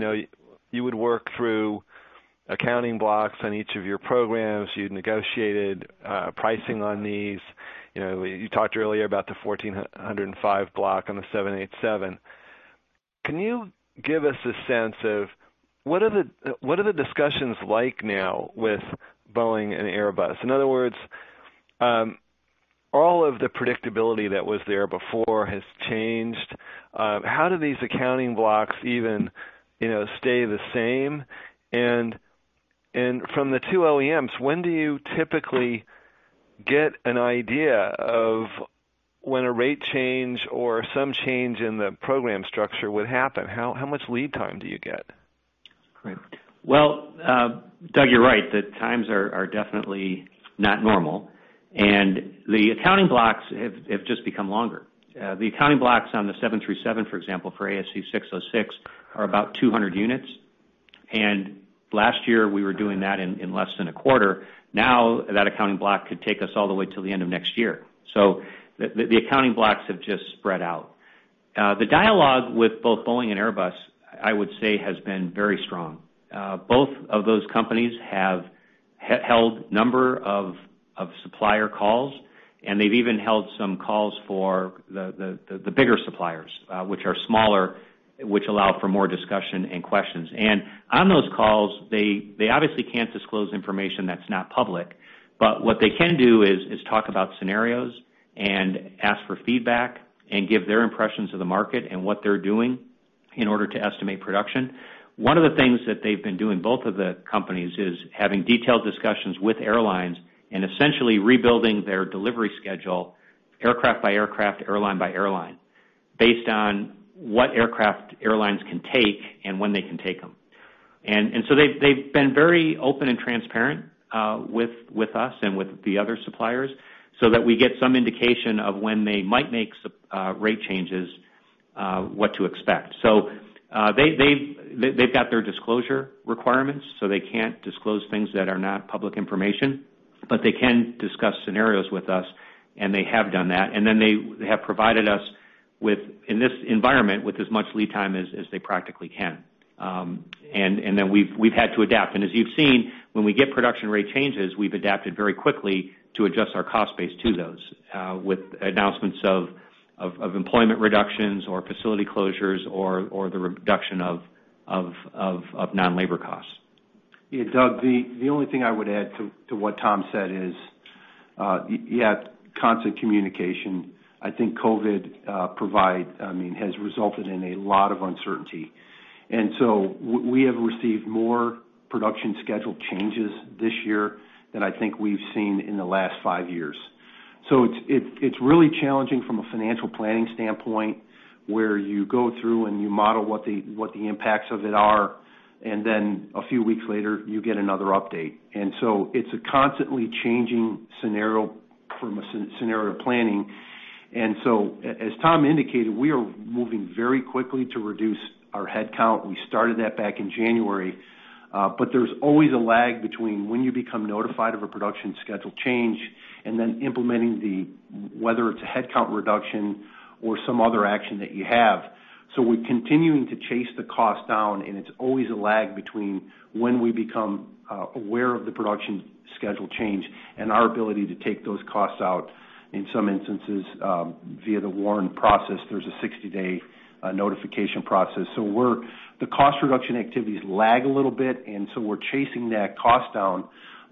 know, you would work through accounting blocks on each of your programs. You negotiated pricing on these. You know, you talked earlier about the 1,405 block on the 787. Can you give us a sense of what are the, what are the discussions like now with Boeing and Airbus? In other words, all of the predictability that was there before has changed. How do these accounting blocks even, you know, stay the same? And from the two OEMs, when do you typically get an idea of when a rate change or some change in the program structure would happen? How much lead time do you get? Great. Well, Doug, you're right, that times are definitely not normal, and the accounting blocks have just become longer. The accounting blocks on the 737, for example, for ASC 606, are about 200 units, and last year, we were doing that in less than a quarter. Now, that accounting block could take us all the way till the end of next year. So the accounting blocks have just spread out. The dialogue with both Boeing and Airbus, I would say, has been very strong. Both of those companies have held a number of supplier calls, and they've even held some calls for the bigger suppliers, which are smaller, which allow for more discussion and questions. On those calls, they obviously can't disclose information that's not public, but what they can do is talk about scenarios and ask for feedback and give their impressions of the market and what they're doing in order to estimate production. One of the things that they've been doing, both of the companies, is having detailed discussions with airlines and essentially rebuilding their delivery schedule, aircraft by aircraft, airline by airline, based on what aircraft airlines can take and when they can take them. So they've been very open and transparent with us and with the other suppliers so that we get some indication of when they might make some rate changes, what to expect. So, they’ve got their disclosure requirements, so they can’t disclose things that are not public information, but they can discuss scenarios with us, and they have done that. And then they have provided us with, in this environment, with as much lead time as they practically can. And then we’ve had to adapt. And as you’ve seen, when we get production rate changes, we’ve adapted very quickly to adjust our cost base to those, with announcements of employment reductions or facility closures or the reduction of non-labor costs. Yeah, Doug, the only thing I would add to what Tom said is, yeah, constant communication. I think COVID, I mean, has resulted in a lot of uncertainty, and so we have received more production schedule changes this year than I think we've seen in the last five years. So it's really challenging from a financial planning standpoint, where you go through and you model what the impacts of it are, and then a few weeks later, you get another update. And so it's a constantly changing scenario from a scenario planning. And so as Tom indicated, we are moving very quickly to reduce our headcount. We started that back in January, but there's always a lag between when you become notified of a production schedule change and then implementing the, whether it's a headcount reduction or some other action that you have. So we're continuing to chase the cost down, and it's always a lag between when we become aware of the production schedule change and our ability to take those costs out, in some instances, via the WARN process. There's a 60-day notification process. So the cost reduction activities lag a little bit, and so we're chasing that cost down.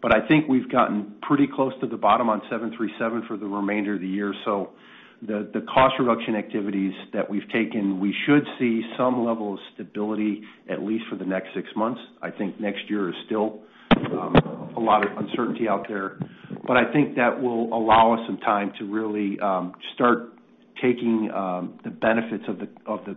But I think we've gotten pretty close to the bottom on 737 for the remainder of the year. So the cost reduction activities that we've taken, we should see some level of stability, at least for the next six months. I think next year is still a lot of uncertainty out there. But I think that will allow us some time to really start taking the benefits of the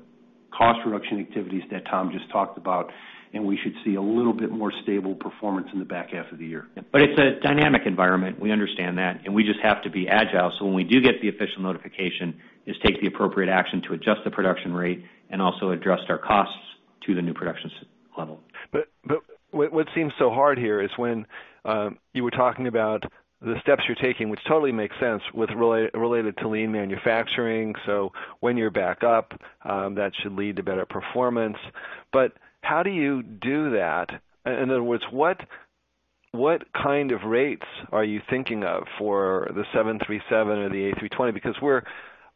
cost reduction activities that Tom just talked about, and we should see a little bit more stable performance in the back half of the year. But it's a dynamic environment. We understand that, and we just have to be agile, so when we do get the official notification, take the appropriate action to adjust the production rate and also adjust our costs to the new production level. But what seems so hard here is when you were talking about the steps you're taking, which totally makes sense, with related to lean manufacturing. So when you're back up, that should lead to better performance. But how do you do that? In other words, what kind of rates are you thinking of for the 737 or the A320? Because we're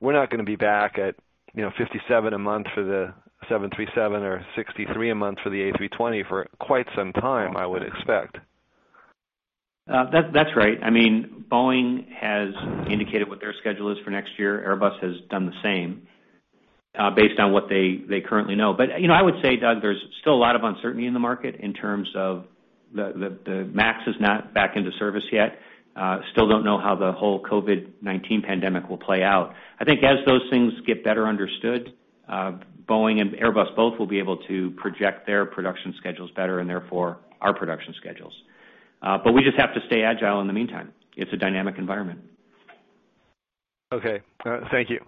not gonna be back at, you know, 57 a month for the 737 or 63 a month for the A320 for quite some time, I would expect. That's right. I mean, Boeing has indicated what their schedule is for next year. Airbus has done the same... based on what they, they currently know. But, you know, I would say, Doug, there's still a lot of uncertainty in the market in terms of the MAX is not back into service yet. Still don't know how the whole COVID-19 pandemic will play out. I think as those things get better understood, Boeing and Airbus both will be able to project their production schedules better, and therefore, our production schedules. But we just have to stay agile in the meantime. It's a dynamic environment. Okay, all right, thank you.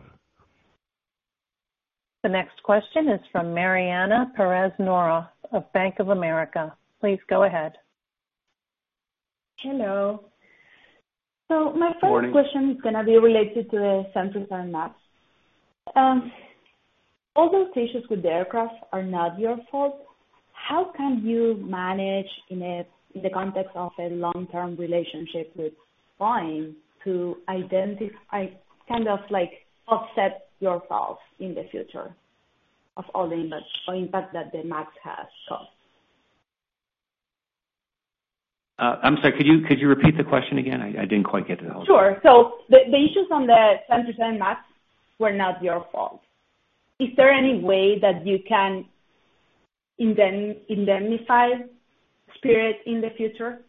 The next question is from Mariana Perez Mora of Bank of America. Please go ahead. Hello. Good morning. So my first question is gonna be related to the sensors on MAX. All those issues with the aircraft are not your fault. How can you manage, in the context of a long-term relationship with Boeing, to identify kind of like, offset yourself in the future of all the impact, impact that the MAX has caused? I'm sorry, could you, could you repeat the question again? I, I didn't quite get it all. Sure. So the issues on the 737 MAX were not your fault. Is there any way that you can indemnify Spirit in the future?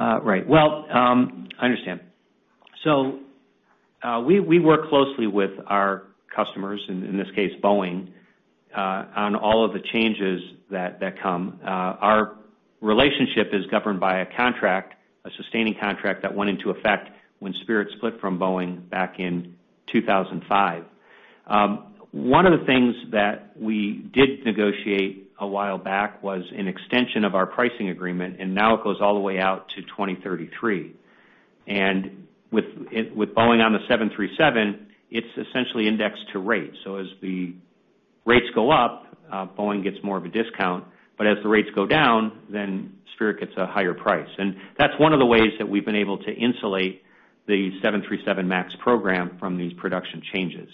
Right. Well, I understand. So, we work closely with our customers, in this case, Boeing, on all of the changes that come. Our relationship is governed by a contract, a sustaining contract that went into effect when Spirit split from Boeing back in 2005. One of the things that we did negotiate a while back was an extension of our pricing agreement, and now it goes all the way out to 2033. And with Boeing on the 737, it's essentially indexed to rates. So as the rates go up, Boeing gets more of a discount, but as the rates go down, then Spirit gets a higher price. And that's one of the ways that we've been able to insulate the 737 MAX program from these production changes.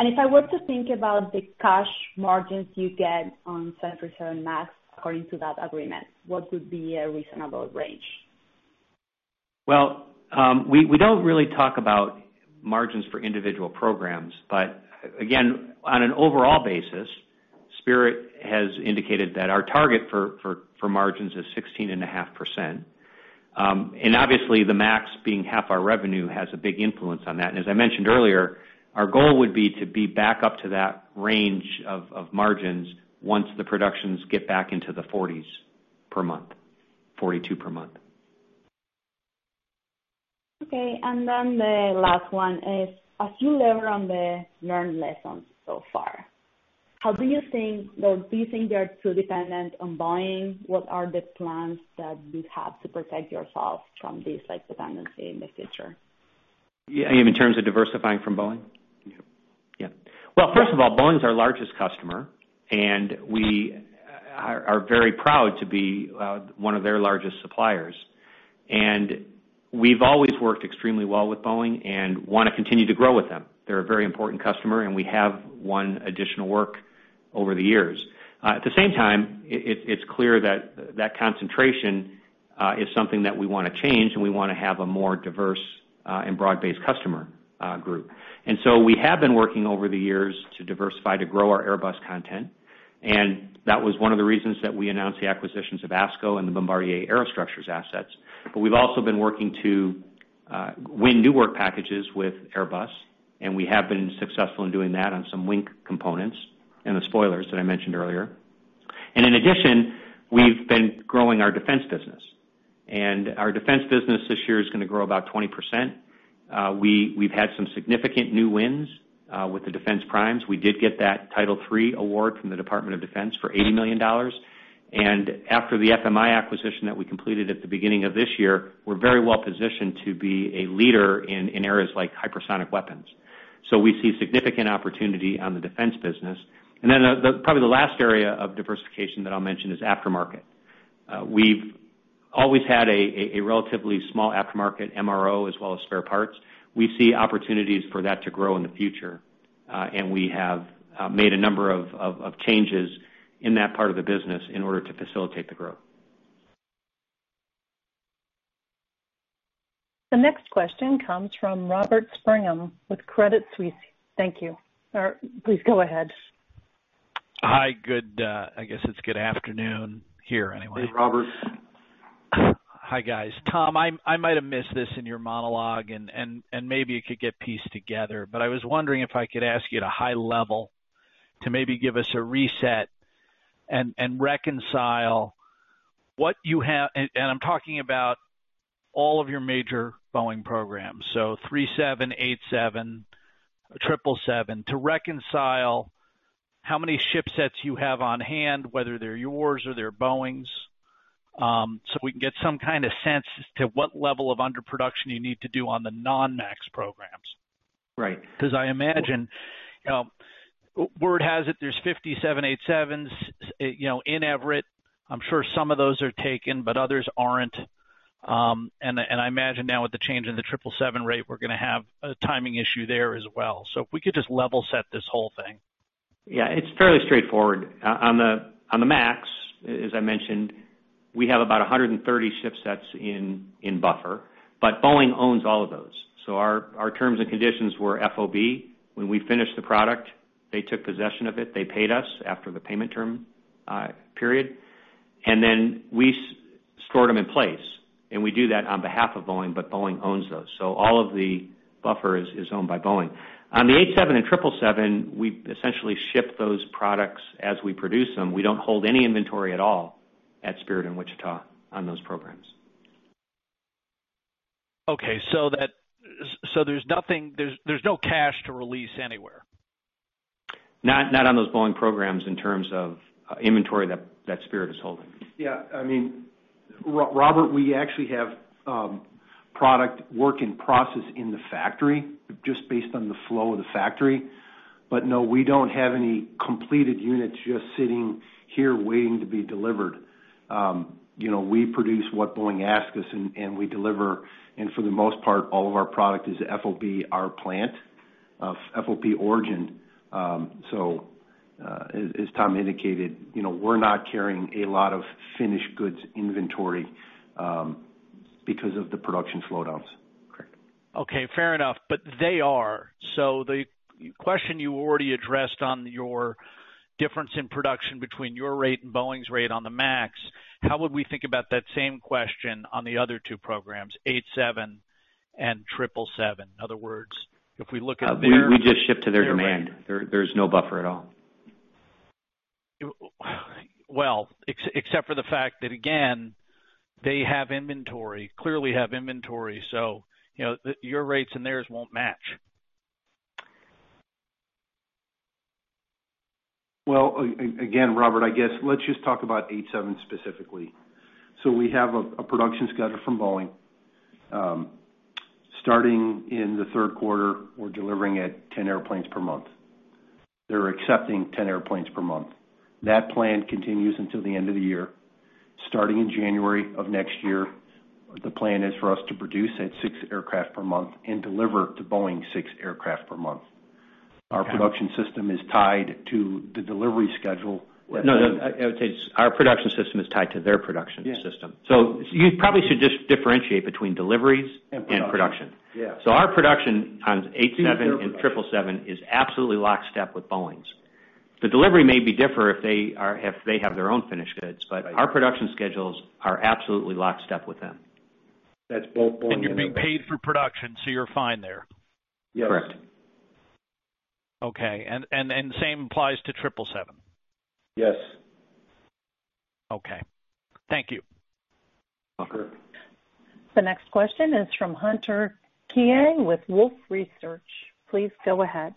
If I were to think about the cash margins you get on 737 MAX according to that agreement, what would be a reasonable range? Well, we don't really talk about margins for individual programs, but again, on an overall basis, Spirit has indicated that our target for margins is 16.5%. And obviously, the MAX being half our revenue, has a big influence on that. And as I mentioned earlier, our goal would be to be back up to that range of margins once the productions get back into the 40s per month, 42 per month. Okay, and then the last one is, as you leverage the learned lessons so far, how do you think... Do you think they are too dependent on Boeing? What are the plans that you have to protect yourself from this, like, dependency in the future? You mean in terms of diversifying from Boeing? Yep. Yeah. Well, first of all, Boeing's our largest customer, and we are very proud to be one of their largest suppliers. And we've always worked extremely well with Boeing and wanna continue to grow with them. They're a very important customer, and we have won additional work over the years. At the same time, it's clear that that concentration is something that we wanna change, and we wanna have a more diverse and broad-based customer group. And so we have been working over the years to diversify, to grow our Airbus content, and that was one of the reasons that we announced the acquisitions of ASCO and the Bombardier Aerostructures assets. But we've also been working to win new work packages with Airbus, and we have been successful in doing that on some wing components and the spoilers that I mentioned earlier. In addition, we've been growing our defense business. And our defense business this year is gonna grow about 20%. We've had some significant new wins with the defense primes. We did get that Title III award from the Department of Defense for $80 million. And after the FMI acquisition that we completed at the beginning of this year, we're very well positioned to be a leader in areas like hypersonic weapons. So we see significant opportunity on the defense business. And then, probably the last area of diversification that I'll mention is aftermarket. We've always had a relatively small aftermarket MRO as well as spare parts. We see opportunities for that to grow in the future, and we have made a number of changes in that part of the business in order to facilitate the growth. The next question comes from Robert Spingarn with Credit Suisse. Thank you. Or please go ahead. Hi, good. I guess it's good afternoon here anyway. Hey, Robert. Hi, guys. Tom, I might have missed this in your monologue, and maybe it could get pieced together, but I was wondering if I could ask you at a high level to maybe give us a reset and reconcile what you have... I'm talking about all of your major Boeing programs, so 737, 787, 777, to reconcile how many shipsets you have on hand, whether they're yours or they're Boeing's, so we can get some kind of sense as to what level of underproduction you need to do on the non-MAX programs. Right. 'Cause I imagine, word has it, there's 57 787s, you know, in Everett. I'm sure some of those are taken, but others aren't. And I imagine now with the change in the 777 rate, we're gonna have a timing issue there as well. So if we could just level set this whole thing Yeah, it's fairly straightforward. On the Max, as I mentioned, we have about 130 ship sets in buffer, but Boeing owns all of these. So our terms and conditions were FOB. When we finished the product, they took possession of it. They paid us after the payment term period, and then we stored them in place, and we do that on behalf of Boeing, but Boeing owns those. So all of the buffers is owned by Boeing. On the 787 and 777, we essentially ship those products as we produce them. We don't hold any inventory at all at Spirit in Wichita on those programs. Okay, so there's nothing, no cash to release anywhere? Not, not on those Boeing programs in terms of, inventory that, that Spirit is holding. Yeah, I mean, Robert, we actually have product work in process in the factory, just based on the flow of the factory. But no, we don't have any completed units just sitting here waiting to be delivered. You know, we produce what Boeing asks us, and we deliver, and for the most part, all of our product is FOB our plant, FOB origin. So, as Tom indicated, you know, we're not carrying a lot of finished goods inventory because of the production slowdowns. Correct. Okay, fair enough. But they are. So the question you already addressed on your difference in production between your rate and Boeing's rate on the Max, how would we think about that same question on the other two programs, 787 and 777? In other words, if we look at their. We just ship to their demand. There's no buffer at all. Well, except for the fact that, again, they have inventory, clearly have inventory, so, you know, the, your rates and theirs won't match. Well, again, Robert, I guess let's just talk about 787 specifically. So we have a production schedule from Boeing. Starting in the third quarter, we're delivering at 10 airplanes per month. They're accepting 10 airplanes per month. That plan continues until the end of the year. Starting in January of next year, the plan is for us to produce at 6 aircraft per month and deliver to Boeing 6 aircraft per month. Our production system is tied to the delivery schedule. No, no, I would say it's our production system is tied to their production system. Yeah. You probably should just differentiate between deliveries- And production... and production. Yeah. So our production on 787 and 777 is absolutely lockstep with Boeing's. The delivery may be different if they have their own finished goods, but our production schedules are absolutely lockstep with them. That's both Boeing- You're being paid for production, so you're fine there? Yes. Correct. Okay, and same applies to 777? Yes. Okay. Thank you. Okay. The next question is from Hunter Keay with Wolfe Research. Please go ahead.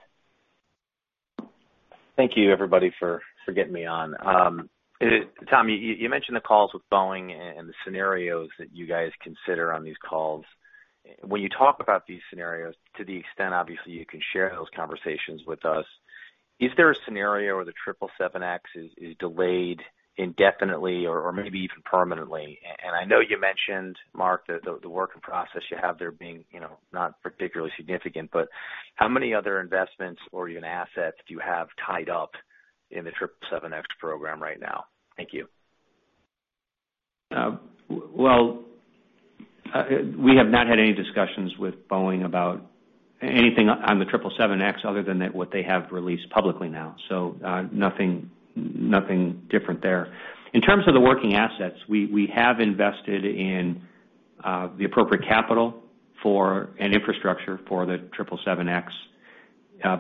Thank you, everybody, for getting me on. Tom, you mentioned the calls with Boeing and the scenarios that you guys consider on these calls. When you talk about these scenarios, to the extent, obviously, you can share those conversations with us, is there a scenario where the 777X is delayed indefinitely or maybe even permanently? And I know you mentioned, Mark, the work-in-process you have there being, you know, not particularly significant, but how many other investments or even assets do you have tied up in the 777X program right now? Thank you. Well, we have not had any discussions with Boeing about anything on the 777X, other than that what they have released publicly now, so nothing, nothing different there. In terms of the wing assets, we have invested in the appropriate capital for, and infrastructure for the 777X.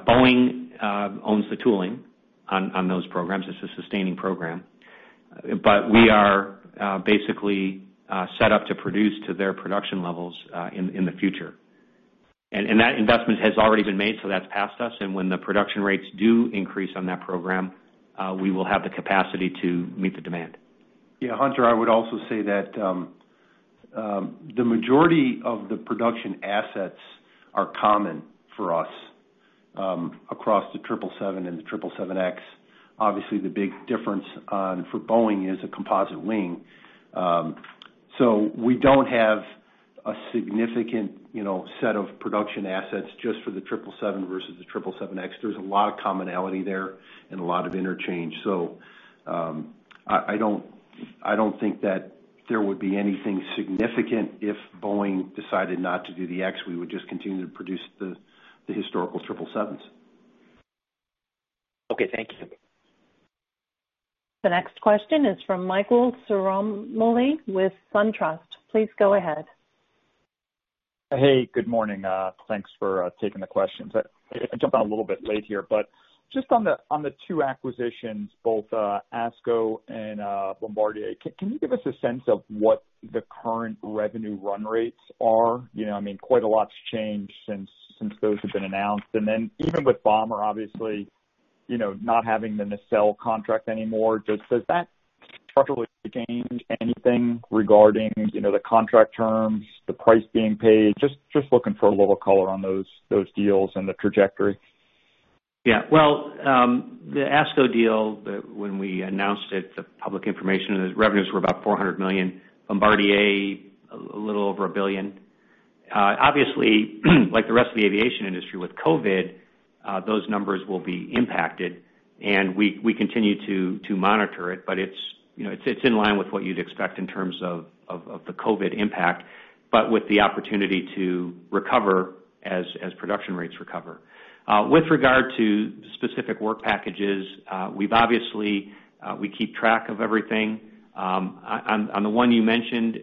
Boeing owns the tooling on those programs. It's a sustaining program. But we are basically set up to produce to their production levels in the future. And that investment has already been made, so that's past us, and when the production rates do increase on that program, we will have the capacity to meet the demand. Yeah, Hunter, I would also say that the majority of the production assets are common for us across the 777 and the 777X. Obviously, the big difference for Boeing is a composite wing. So we don't have a significant, you know, set of production assets just for the 777 versus the 777X. There's a lot of commonality there and a lot of interchange. So I don't think that there would be anything significant if Boeing decided not to do the X. We would just continue to produce the historical 777s. Okay, thank you. The next question is from Michael Ciarmoli with SunTrust. Please go ahead. Hey, good morning. Thanks for taking the questions. I jumped on a little bit late here, but just on the two acquisitions, both ASCO and Bombardier, can you give us a sense of what the current revenue run rates are? You know, I mean, quite a lot's changed since those have been announced. And then even with Bombardier, obviously, you know, not having the nacelle contract anymore, just does that structurally change anything regarding, you know, the contract terms, the price being paid? Just looking for a little color on those deals and the trajectory. Yeah. Well, the ASCO deal, the—when we announced it, the public information and the revenues were about $400 million. Bombardier, a little over $1 billion. Obviously, like the rest of the aviation industry with COVID, those numbers will be impacted, and we continue to monitor it, but it's, you know, it's in line with what you'd expect in terms of the COVID impact, but with the opportunity to recover as production rates recover. With regard to specific work packages, we've obviously we keep track of everything. On the one you mentioned,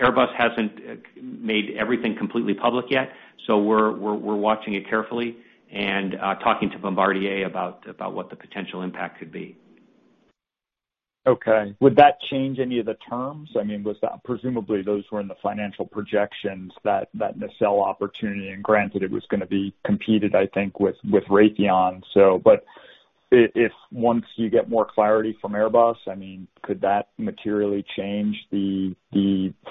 Airbus hasn't made everything completely public yet, so we're watching it carefully and talking to Bombardier about what the potential impact could be. Okay. Would that change any of the terms? I mean, was that, presumably, those were in the financial projections, that nacelle opportunity, and granted it was gonna be competed, I think, with Raytheon. So, but if once you get more clarity from Airbus, I mean, could that materially change the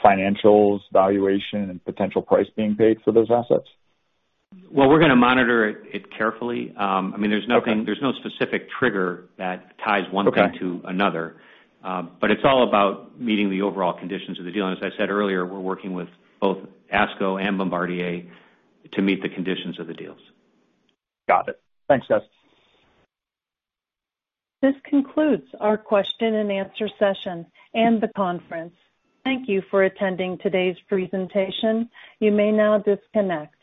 financials, valuation, and potential price being paid for those assets? Well, we're gonna monitor it, it carefully. I mean, there's no. Okay. There's no specific trigger that ties one thing. Okay To another. But it's all about meeting the overall conditions of the deal. As I said earlier, we're working with both ASCO and Bombardier to meet the conditions of the deals. Got it. Thanks, guys. This concludes our question and answer session and the conference. Thank you for attending today's presentation. You may now disconnect.